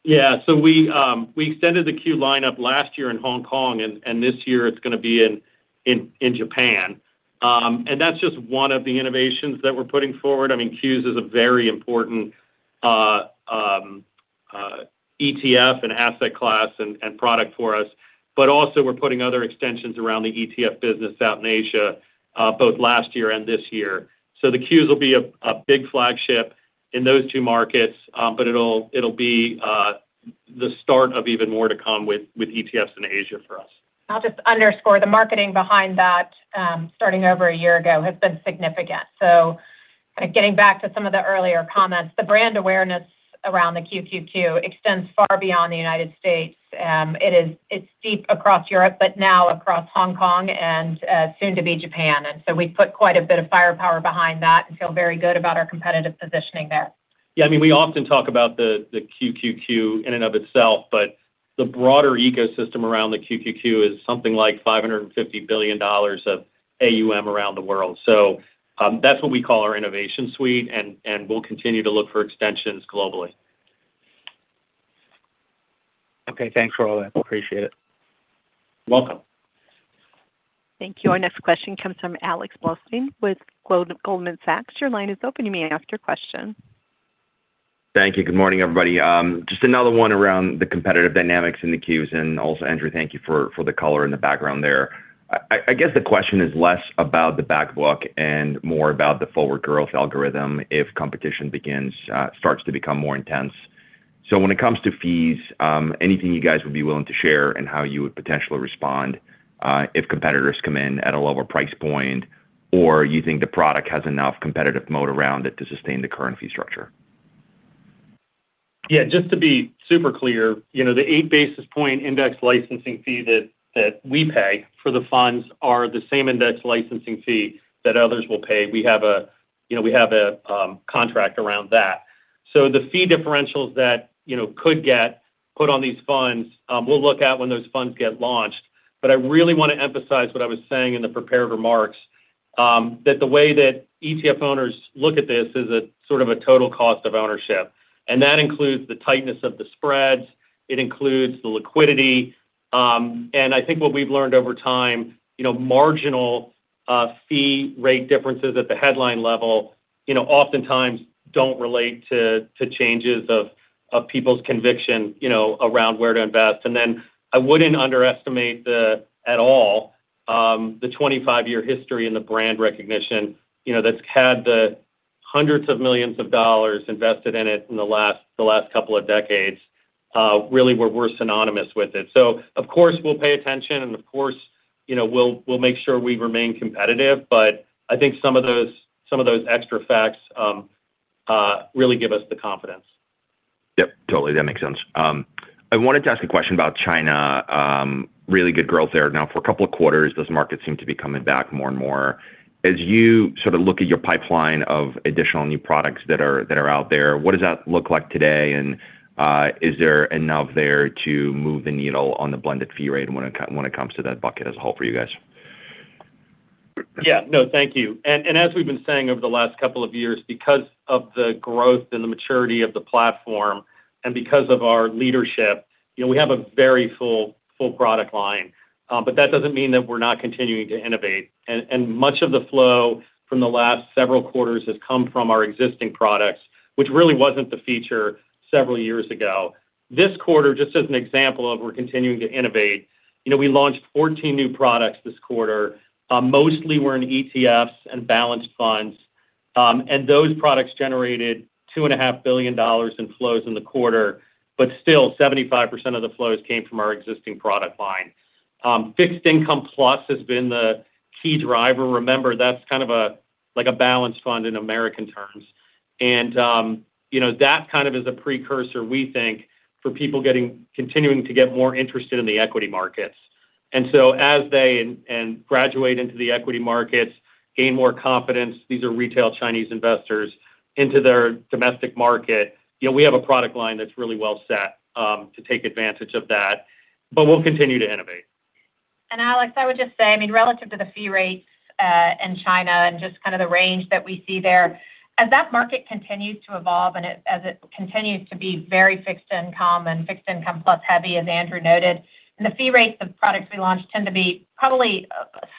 We extended the Q lineup last year in Hong Kong, and this year it's gonna be in Japan. That's just one of the innovations that we're putting forward. I mean, Qs is a very important ETF and asset class and product for us. Also we're putting other extensions around the ETF business out in Asia, both last year and this year. The Qs will be a big flagship in those two markets, but it'll be the start of even more to come with ETFs in Asia for us. I'll just underscore the marketing behind that, starting over a year ago, has been significant. Kind of getting back to some of the earlier comments, the brand awareness around the QQQ extends far beyond the United States. It is, it's deep across Europe, but now across Hong Kong and soon to be Japan. We put quite a bit of firepower behind that and feel very good about our competitive positioning there. Yeah. I mean, we often talk about the QQQ in and of itself, but the broader ecosystem around the QQQ is something like $550 billion of AUM around the world. That's what we call our Innovation Suite, and we'll continue to look for extensions globally. Okay. Thanks for all that. Appreciate it. Welcome. Thank you. Our next question comes from Alex Blostein with Goldman Sachs. Your line is open. You may ask your question. Thank you. Good morning, everybody. Just another one around the competitive dynamics in the QQQs. Also, Andrew, thank you for the color and the background there. I guess the question is less about the back book and more about the forward growth algorithm if competition begins to become more intense. When it comes to fees, anything you guys would be willing to share in how you would potentially respond if competitors come in at a lower price point, or you think the product has enough competitive moat around it to sustain the current fee structure? Just to be super clear, you know, the 8 basis point index licensing fee that we pay for the funds are the same index licensing fee that others will pay. We have a, you know, we have a contract around that. The fee differentials that, you know, could get put on these funds, we'll look at when those funds get launched. I really wanna emphasize what I was saying in the prepared remarks, that the way that ETF owners look at this is a sort of a total cost of ownership, and that includes the tightness of the spreads, it includes the liquidity. I think what we've learned over time, you know, marginal fee rate differences at the headline level, you know, oftentimes don't relate to changes of people's conviction, you know, around where to invest. I wouldn't underestimate the, at all, the 25-year history and the brand recognition, you know, that's had $hundreds of millions invested in it in the last couple of decades. Really we're synonymous with it. Of course, we'll pay attention, and of course, you know, we'll make sure we remain competitive. I think some of those extra facts really give us the confidence. Yep. Totally. That makes sense. I wanted to ask a question about China. Really good growth there. Now for a couple of quarters, those markets seem to be coming back more and more. As you sort of look at your pipeline of additional new products that are out there, what does that look like today? Is there enough there to move the needle on the blended fee rate when it comes to that bucket as a whole for you guys? Yeah. No, thank you. As we've been saying over the last couple of years, because of the growth and the maturity of the platform and because of our leadership, you know, we have a very full product line. That doesn't mean that we're not continuing to innovate. Much of the flow from the last several quarters has come from our existing products, which really wasn't the feature several years ago. This quarter, just as an example of we're continuing to innovate, you know, we launched 14 new products this quarter. Mostly were in ETFs and balanced funds. Those products generated $2.5 billion in flows in the quarter, still, 75% of the flows came from our existing product line. Fixed income plus has been the key driver. Remember, that's kind of a, like a balanced fund in American terms. You know, that kind of is a precursor, we think, for people continuing to get more interested in the equity markets. As they and graduate into the equity markets, gain more confidence, these are retail Chinese investors into their domestic market. You know, we have a product line that's really well set to take advantage of that, but we'll continue to innovate. Alex, I would just say, I mean, relative to the fee rates in China and just kind of the range that we see there, as that market continues to evolve, as it continues to be very fixed income and fixed income plus heavy, as Andrew noted, and the fee rates of products we launch tend to be probably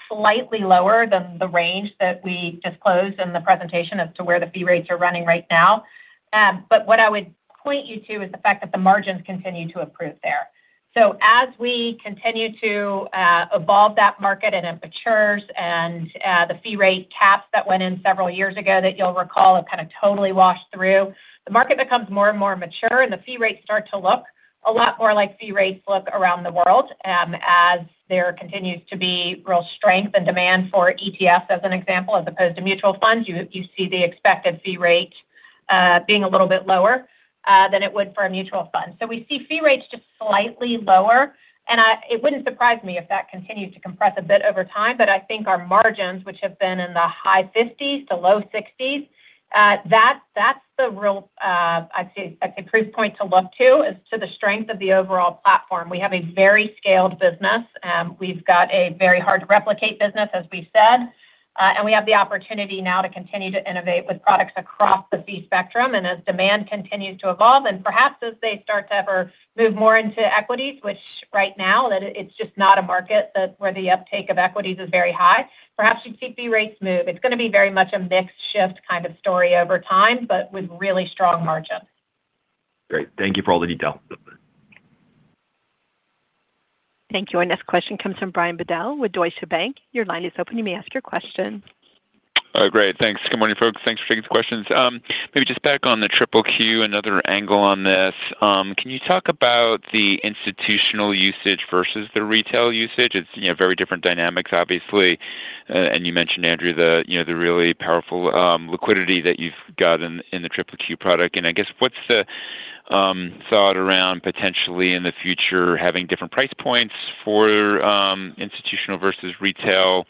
slightly lower than the range that we disclosed in the presentation as to where the fee rates are running right now. What I would point you to is the fact that the margins continue to improve there. As we continue to evolve that market and it matures and the fee rate caps that went in several years ago that you'll recall have kind of totally washed through, the market becomes more and more mature, and the fee rates start to look a lot more like fee rates look around the world, as there continues to be real strength and demand for ETFs as an example, as opposed to mutual funds. You, you see the expected fee rate being a little bit lower than it would for a mutual fund. We see fee rates just slightly lower, and it wouldn't surprise me if that continued to compress a bit over time. I think our margins, which have been in the high 50s to low 60s, that's the real, I'd say, like a proof point to look to as to the strength of the overall platform. We have a very scaled business. We've got a very hard to replicate business, as we said. We have the opportunity now to continue to innovate with products across the fee spectrum and as demand continues to evolve. Perhaps as they start to ever move more into equities, which right now that it's just not a market that where the uptake of equities is very high. Perhaps you'd see fee rates move. It's gonna be very much a mixed shift kind of story over time, but with really strong margins. Great. Thank you for all the detail. Thank you. Our next question comes from Brian Bedell with Deutsche Bank. Your line is open. You may ask your question. Great. Thanks. Good morning, folks. Thanks for taking the questions. Maybe just back on the QQQ, another angle on this. Can you talk about the institutional usage versus the retail usage? It's, you know, very different dynamics, obviously. You mentioned, Andrew, the, you know, the really powerful liquidity that you've got in the QQQ product. I guess, what's the thought around potentially in the future having different price points for institutional versus retail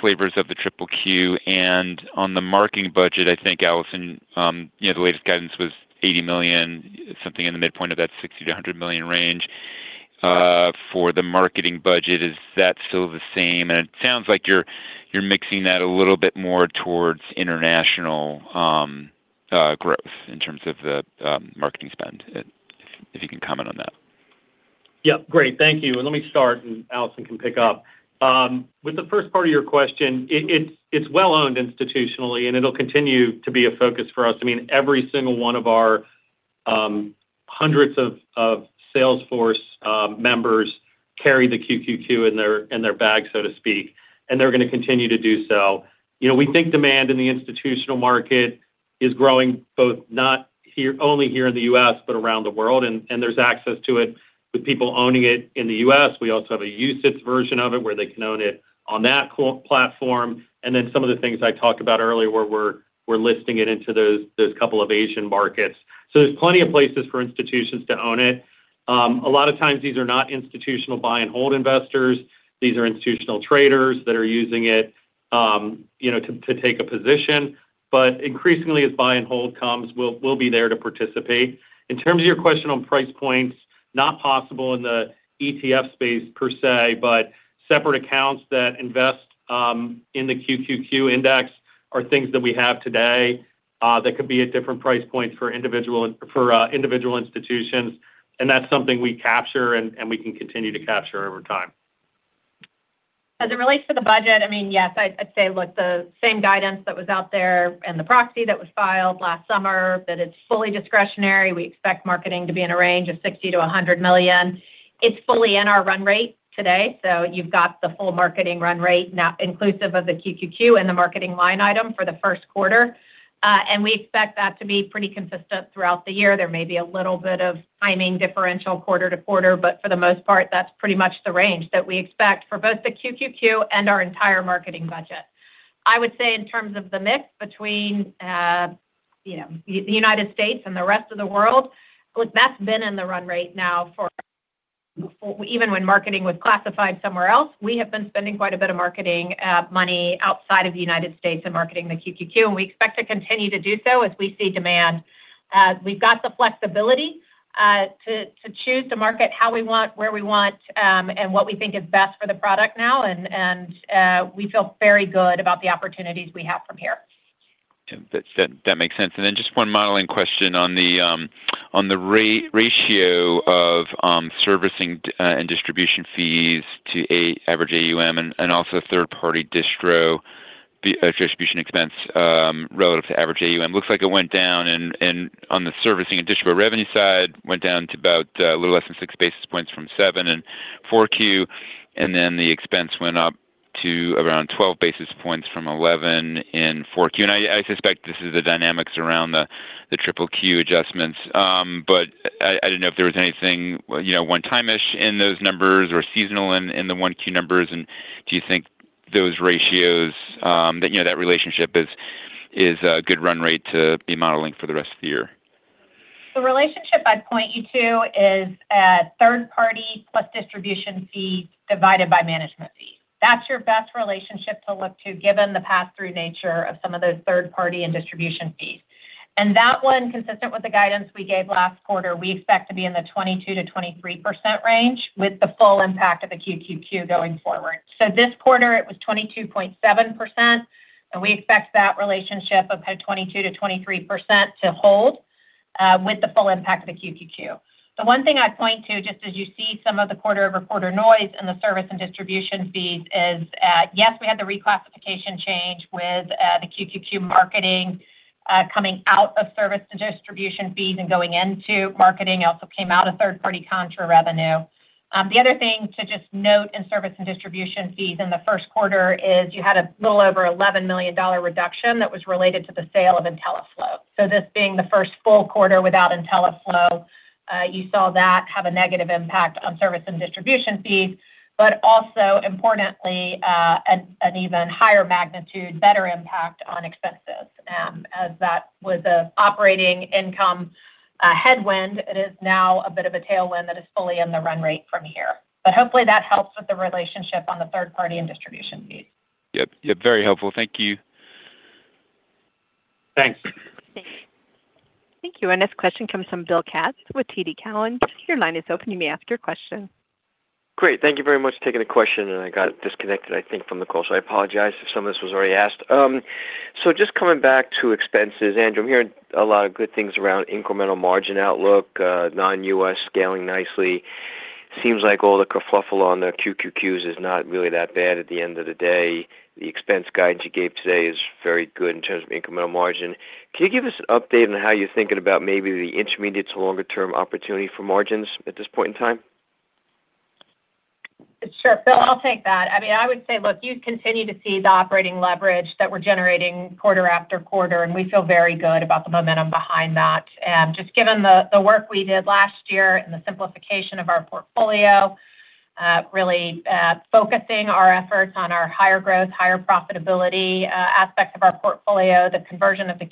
flavors of the QQQ? On the marketing budget, I think, Allison, you know, the latest guidance was $80 million, something in the midpoint of that $60 million-$100 million range for the marketing budget. Is that still the same? It sounds like you're mixing that a little bit more towards international, growth in terms of the marketing spend. If you can comment on that. Yeah. Great. Thank you. Let me start, and Allison can pick up. With the first part of your question, it's well-owned institutionally, and it'll continue to be a focus for us. I mean, every single one of our hundreds of sales force members carry the QQQ in their bag, so to speak, and they're gonna continue to do so. You know, we think demand in the institutional market is growing, both not only here in the U.S., but around the world. There's access to it with people owning it in the U.S. We also have a UCITS version of it where they can own it on that platform. Then some of the things I talked about earlier, where we're listing it into those couple of Asian markets. There's plenty of places for institutions to own it. A lot of times these are not institutional buy and hold investors. These are institutional traders that are using it, you know, to take a position. Increasingly, as buy and hold comes, we'll be there to participate. In terms of your question on price points, not possible in the ETF space per se, but separate accounts that invest in the QQQ index are things that we have today that could be at different price points for individual institutions, and that's something we capture and we can continue to capture over time. As it relates to the budget, I mean, yes, I'd say, look, the same guidance that was out there and the proxy that was filed last summer, that it's fully discretionary. We expect marketing to be in a range of $60 million-$100 million. It's fully in our run rate today, so you've got the full marketing run rate now inclusive of the QQQ and the marketing line item for the first quarter. We expect that to be pretty consistent throughout the year. There may be a little bit of timing differential quarter-to-quarter, but for the most part, that's pretty much the range that we expect for both the QQQ and our entire marketing budget. I would say in terms of the mix between, you know, the United States and the rest of the world, look, that's been in the run rate now even when marketing was classified somewhere else. We have been spending quite a bit of marketing money outside of the United States in marketing the QQQ, and we expect to continue to do so as we see demand. We've got the flexibility to choose to market how we want, where we want, and what we think is best for the product now and we feel very good about the opportunities we have from here. That makes sense. Just one modeling question on the ratio of servicing and distribution fees to average AUM and also third-party distribution expense relative to average AUM. Looks like it went down on the servicing and distributor revenue side, went down to about a little less than 6 basis points from 7 basis points in 4Q. The expense went up to around 12 basis points from 11 in 4Q. I suspect this is the dynamics around the QQQ adjustments. I didn't know if there was anything, you know, one-time-ish in those numbers or seasonal in the 1Q numbers. Do you think those ratios, that, you know, that relationship is a good run rate to be modeling for the rest of the year? The relationship I'd point you to is third party plus distribution fees divided by management fees. That's your best relationship to look to given the pass-through nature of some of those third-party and distribution fees. That one, consistent with the guidance we gave last quarter, we expect to be in the 22%-23% range with the full impact of the QQQ going forward. This quarter, it was 22.7%, and we expect that relationship of 22%-23% to hold with the full impact of the QQQ. The one thing I'd point to, just as you see some of the quarter-over-quarter noise in the service and distribution fees is, yes, we had the reclassification change with the QQQ marketing coming out of service to distribution fees and going into marketing. It also came out of third-party contra revenue. The other thing to just note in service and distribution fees in the first quarter is you had a little over $11 million reduction that was related to the sale of Intelliflo. This being the first full quarter without Intelliflo, you saw that have a negative impact on service and distribution fees, also importantly, an even higher magnitude, better impact on expenses, as that was an operating income headwind. It is now a bit of a tailwind that is fully in the run rate from here. Hopefully that helps with the relationship on the third party and distribution fees. Yep. Yep. Very helpful. Thank you. Thanks. Thank you. Our next question comes from William Katz with TD Cowen. Your line is open. You may ask your question. Great. Thank you very much for taking the question, and I got disconnected, I think, from the call. I apologize if some of this was already asked. Just coming back to expenses, Andrew, I'm hearing a lot of good things around incremental margin outlook, non-U.S. scaling nicely. Seems like all the kerfuffle on the QQQs is not really that bad at the end of the day. The expense guide you gave today is very good in terms of incremental margin. Can you give us an update on how you're thinking about maybe the intermediate to longer term opportunity for margins at this point in time? Sure. William, I'll take that. I mean, I would say, look, you continue to see the operating leverage that we're generating quarter after quarter, and we feel very good about the momentum behind that. Just given the work we did last year and the simplification of our portfolio, really focusing our efforts on our higher growth, higher profitability, aspect of our portfolio, the conversion of the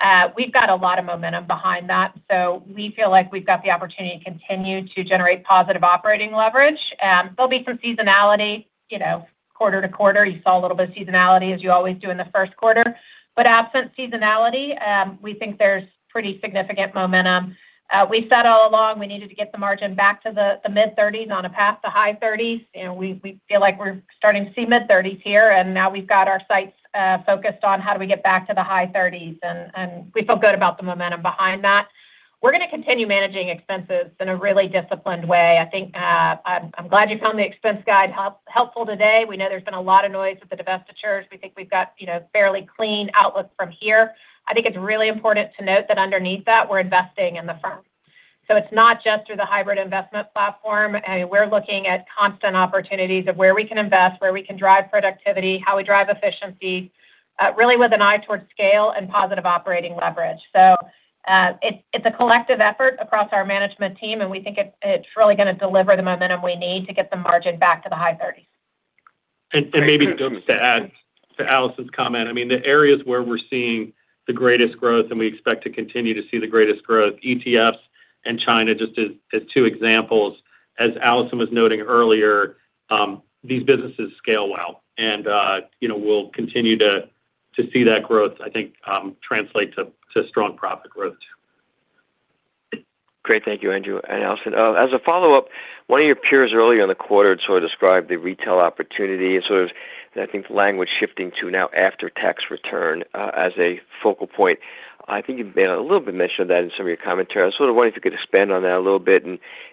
Q. We've got a lot of momentum behind that, so we feel like we've got the opportunity to continue to generate positive operating leverage. There'll be some seasonality, you know, quarter-to-quarter. You saw a little bit of seasonality as you always do in the first quarter. Absent seasonality, we think there's pretty significant momentum. We said all along we needed to get the margin back to the mid-30s on a path to high 30s, we feel like we're starting to see mid-30s here. Now we've got our sights focused on how do we get back to the high 30s. We feel good about the momentum behind that. We're gonna continue managing expenses in a really disciplined way. I think I'm glad you found the expense guide helpful today. We know there's been a lot of noise with the divestitures. We think we've got, you know, fairly clean outlook from here. I think it's really important to note that underneath that, we're investing in the firm. It's not just through the hybrid investment platform. We're looking at constant opportunities of where we can invest, where we can drive productivity, how we drive efficiency, really with an eye towards scale and positive operating leverage. It's a collective effort across our management team, we think it's really gonna deliver the momentum we need to get the margin back to the high 30s. Maybe just to add to Allison's comment. I mean, the areas where we're seeing the greatest growth, and we expect to continue to see the greatest growth, ETFs and China, just as two examples. As Allison was noting earlier, these businesses scale well. You know, we'll continue to see that growth, I think, translate to strong profit growth too. Great. Thank you, Andrew and Allison. As a follow-up, one of your peers earlier in the quarter had sort of described the retail opportunity and sort of, I think, the language shifting to now after tax return as a focal point. I think you've been a little bit mentioned that in some of your commentary. I sort of wondered if you could expand on that a little bit.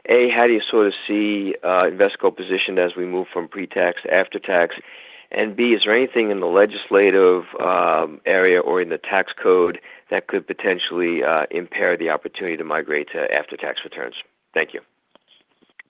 A, how do you sort of see, Invesco positioned as we move from pre-tax to after tax? B, is there anything in the legislative, area or in the tax code that could potentially, impair the opportunity to migrate to after tax returns? Thank you.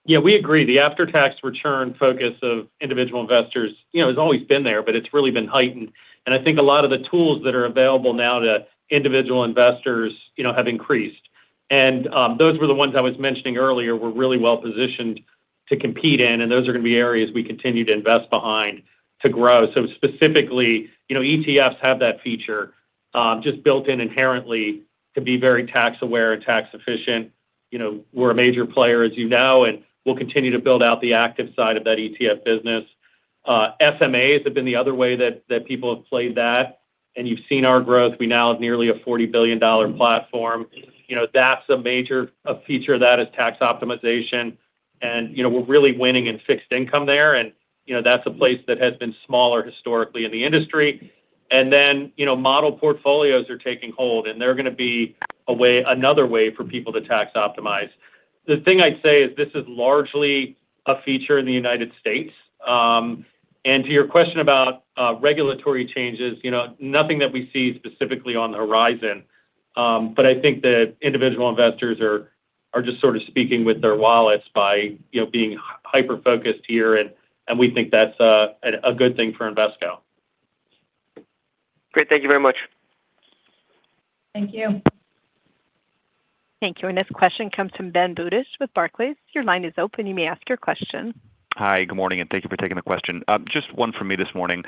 We agree. The after-tax return focus of individual investors, you know, has always been there, but it's really been heightened. I think a lot of the tools that are available now to individual investors, you know, have increased. Those were the ones I was mentioning earlier we're really well-positioned to compete in, and those are gonna be areas we continue to invest behind to grow. Specifically, you know, ETFs have that feature just built in inherently to be very tax aware and tax efficient. You know, we're a major player, as you know, and we'll continue to build out the active side of that ETF business. SMAs have been the other way that people have played that, and you've seen our growth. We now have nearly a $40 billion platform. You know, that's a major feature of that is tax optimization. You know, we're really winning in fixed income there and, you know, that's a place that has been smaller historically in the industry. You know, model portfolios are taking hold, and they're gonna be a way, another way for people to tax optimize. The thing I'd say is this is largely a feature in the United States. To your question about regulatory changes, you know, nothing that we see specifically on the horizon. I think that individual investors are just sort of speaking with their wallets by, you know, being hyper-focused here and we think that's a good thing for Invesco. Great. Thank you very much. Thank you. Thank you. This question comes from Ben Budish with Barclays. Your line is open. You may ask your question. Hi, good morning, and thank you for taking the question. Just one from me this morning.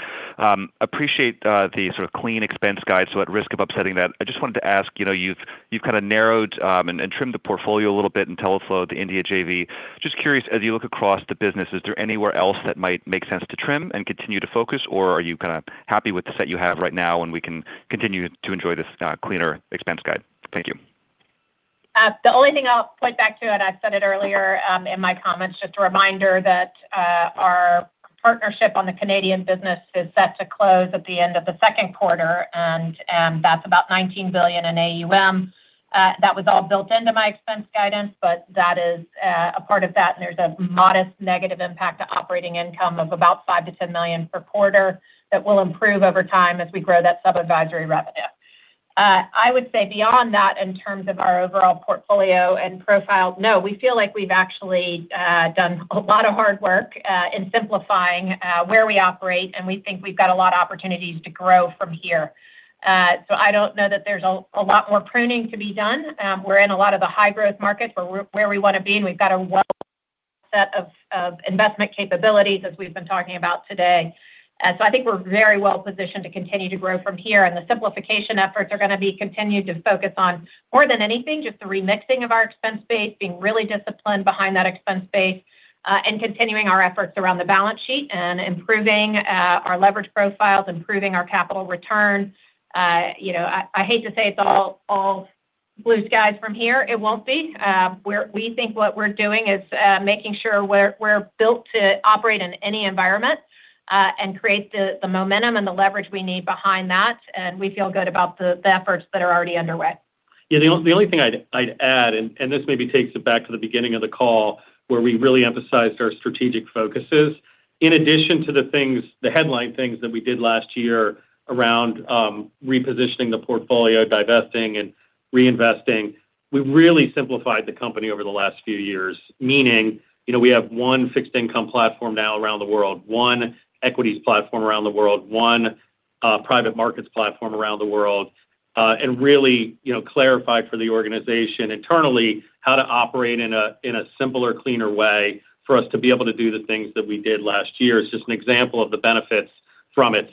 Appreciate the sort of clean expense guide, so at risk of upsetting that, I just wanted to ask, you know, you've kind of narrowed and trimmed the portfolio a little bit in Intelliflo, the India JV. Just curious, as you look across the business, is there anywhere else that might make sense to trim and continue to focus, or are you kind of happy with the set you have right now and we can continue to enjoy this cleaner expense guide? Thank you. The only thing I'll point back to, and I said it earlier, in my comments, just a reminder that our partnership on the Canadian business is set to close at the end of the second quarter. That's about $19 billion in AUM. That was all built into my expense guidance, that is a part of that, and there's a modest negative impact to operating income of about $5 million-$10 million per quarter that will improve over time as we grow that sub-advisory revenue. I would say beyond that, in terms of our overall portfolio and profile, no, we feel like we've actually done a lot of hard work in simplifying where we operate. We think we've got a lot of opportunities to grow from here. I don't know that there's a lot more pruning to be done. We're in a lot of the high-growth markets where we're, where we wanna be, and we've got a well set of investment capabilities as we've been talking about today. I think we're very well positioned to continue to grow from here. The simplification efforts are gonna be continued to focus on more than anything, just the remixing of our expense base, being really disciplined behind that expense base, and continuing our efforts around the balance sheet and improving our leverage profiles, improving our capital return. You know, I hate to say it's all blue skies from here. It won't be. We think what we're doing is making sure we're built to operate in any environment, and create the momentum and the leverage we need behind that, and we feel good about the efforts that are already underway. Yeah. The only, the only thing I'd add, and this maybe takes it back to the beginning of the call where we really emphasized our strategic focuses. In addition to the things, the headline things that we did last year around repositioning the portfolio, divesting, and reinvesting, we've really simplified the company over the last few years. Meaning, you know, we have one fixed income platform now around the world, one equities platform around the world, one private markets platform around the world. Really, you know, clarified for the organization internally how to operate in a, in a simpler, cleaner way for us to be able to do the things that we did last year. It's just an example of the benefits from it.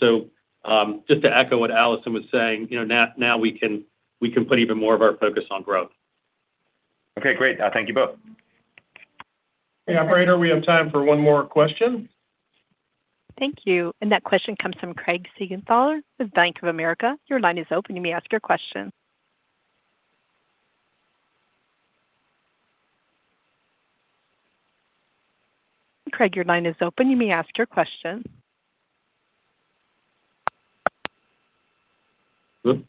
Just to echo what Allison was saying, you know, now we can put even more of our focus on growth. Okay, great. Thank you both. Hey, operator. We have time for one more question. Thank you. That question comes from Craig Siegenthaler with Bank of America. Your line is open. You may ask your question. Craig, your line is open. You may ask your question. Hello?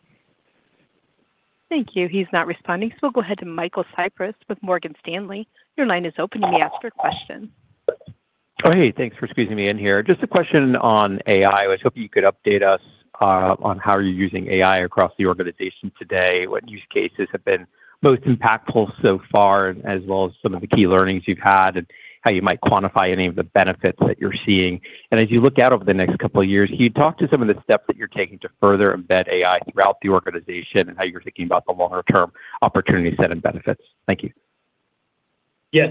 Thank you. He's not responding. We'll go ahead to Michael Cyprys with Morgan Stanley. Your line is open. You may ask your question. Oh, hey. Thanks for squeezing me in here. Just a question on AI. I was hoping you could update us on how you're using AI across the organization today. What use cases have been most impactful so far, as well as some of the key learnings you've had, and how you might quantify any of the benefits that you're seeing. As you look out over the next couple of years, can you talk to some of the steps that you're taking to further embed AI throughout the organization and how you're thinking about the longer term opportunities set and benefits? Thank you.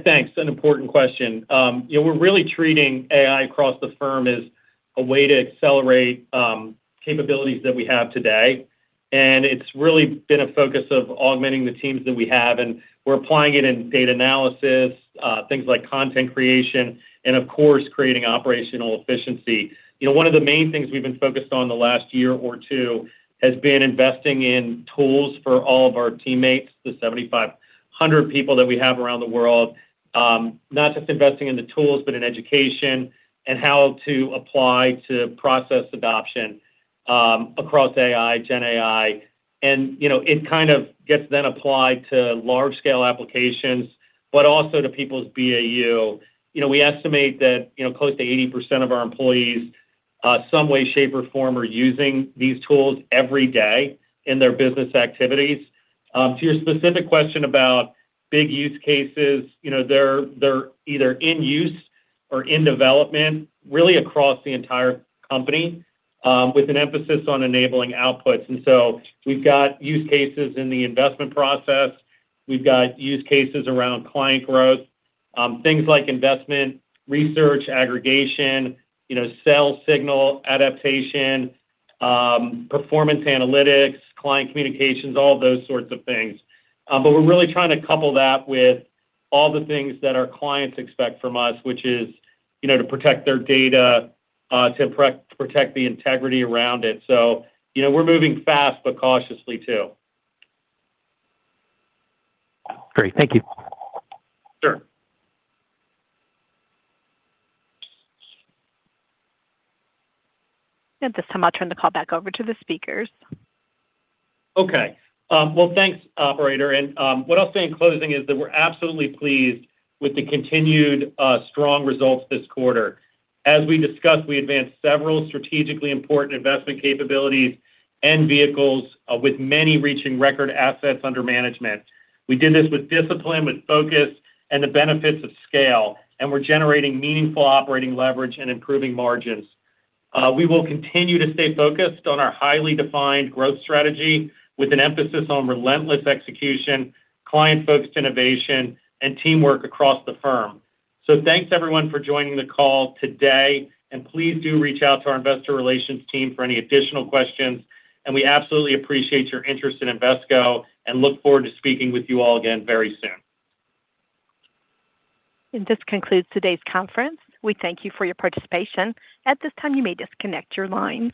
Thanks. An important question. You know, we're really treating AI across the firm as a way to accelerate capabilities that we have today, and it's really been a focus of augmenting the teams that we have, and we're applying it in data analysis, things like content creation, and of course, creating operational efficiency. You know, one of the main things we've been focused on the last year or two has been investing in tools for all of our teammates, the 7,500 people that we have around the world. Not just investing in the tools, but in education and how to apply to process adoption across AI, GenAI. You know, it kind of gets then applied to large scale applications, but also to people's BAU. You know, we estimate that, you know, close to 80% of our employees, some way, shape, or form are using these tools every day in their business activities. To your specific question about big use cases, you know, they're either in use or in development really across the entire company, with an emphasis on enabling outputs. We've got use cases in the investment process. We've got use cases around client growth, things like investment, research, aggregation, you know, sell signal adaptation, performance analytics, client communications, all of those sorts of things. We're really trying to couple that with all the things that our clients expect from us, which is, you know, to protect their data, to pre-protect the integrity around it. You know, we're moving fast but cautiously too. Great. Thank you. Sure. At this time, I'll turn the call back over to the speakers. Okay. Well, thanks, operator. What I'll say in closing is that we're absolutely pleased with the continued strong results this quarter. As we discussed, we advanced several strategically important investment capabilities and vehicles, with many reaching record assets under management. We did this with discipline, with focus, and the benefits of scale, and we're generating meaningful operating leverage and improving margins. We will continue to stay focused on our highly defined growth strategy with an emphasis on relentless execution, client-focused innovation, and teamwork across the firm. Thanks everyone for joining the call today, and please do reach out to our investor relations team for any additional questions. We absolutely appreciate your interest in Invesco and look forward to speaking with you all again very soon. This concludes today's conference. We thank you for your participation. At this time, you may disconnect your lines.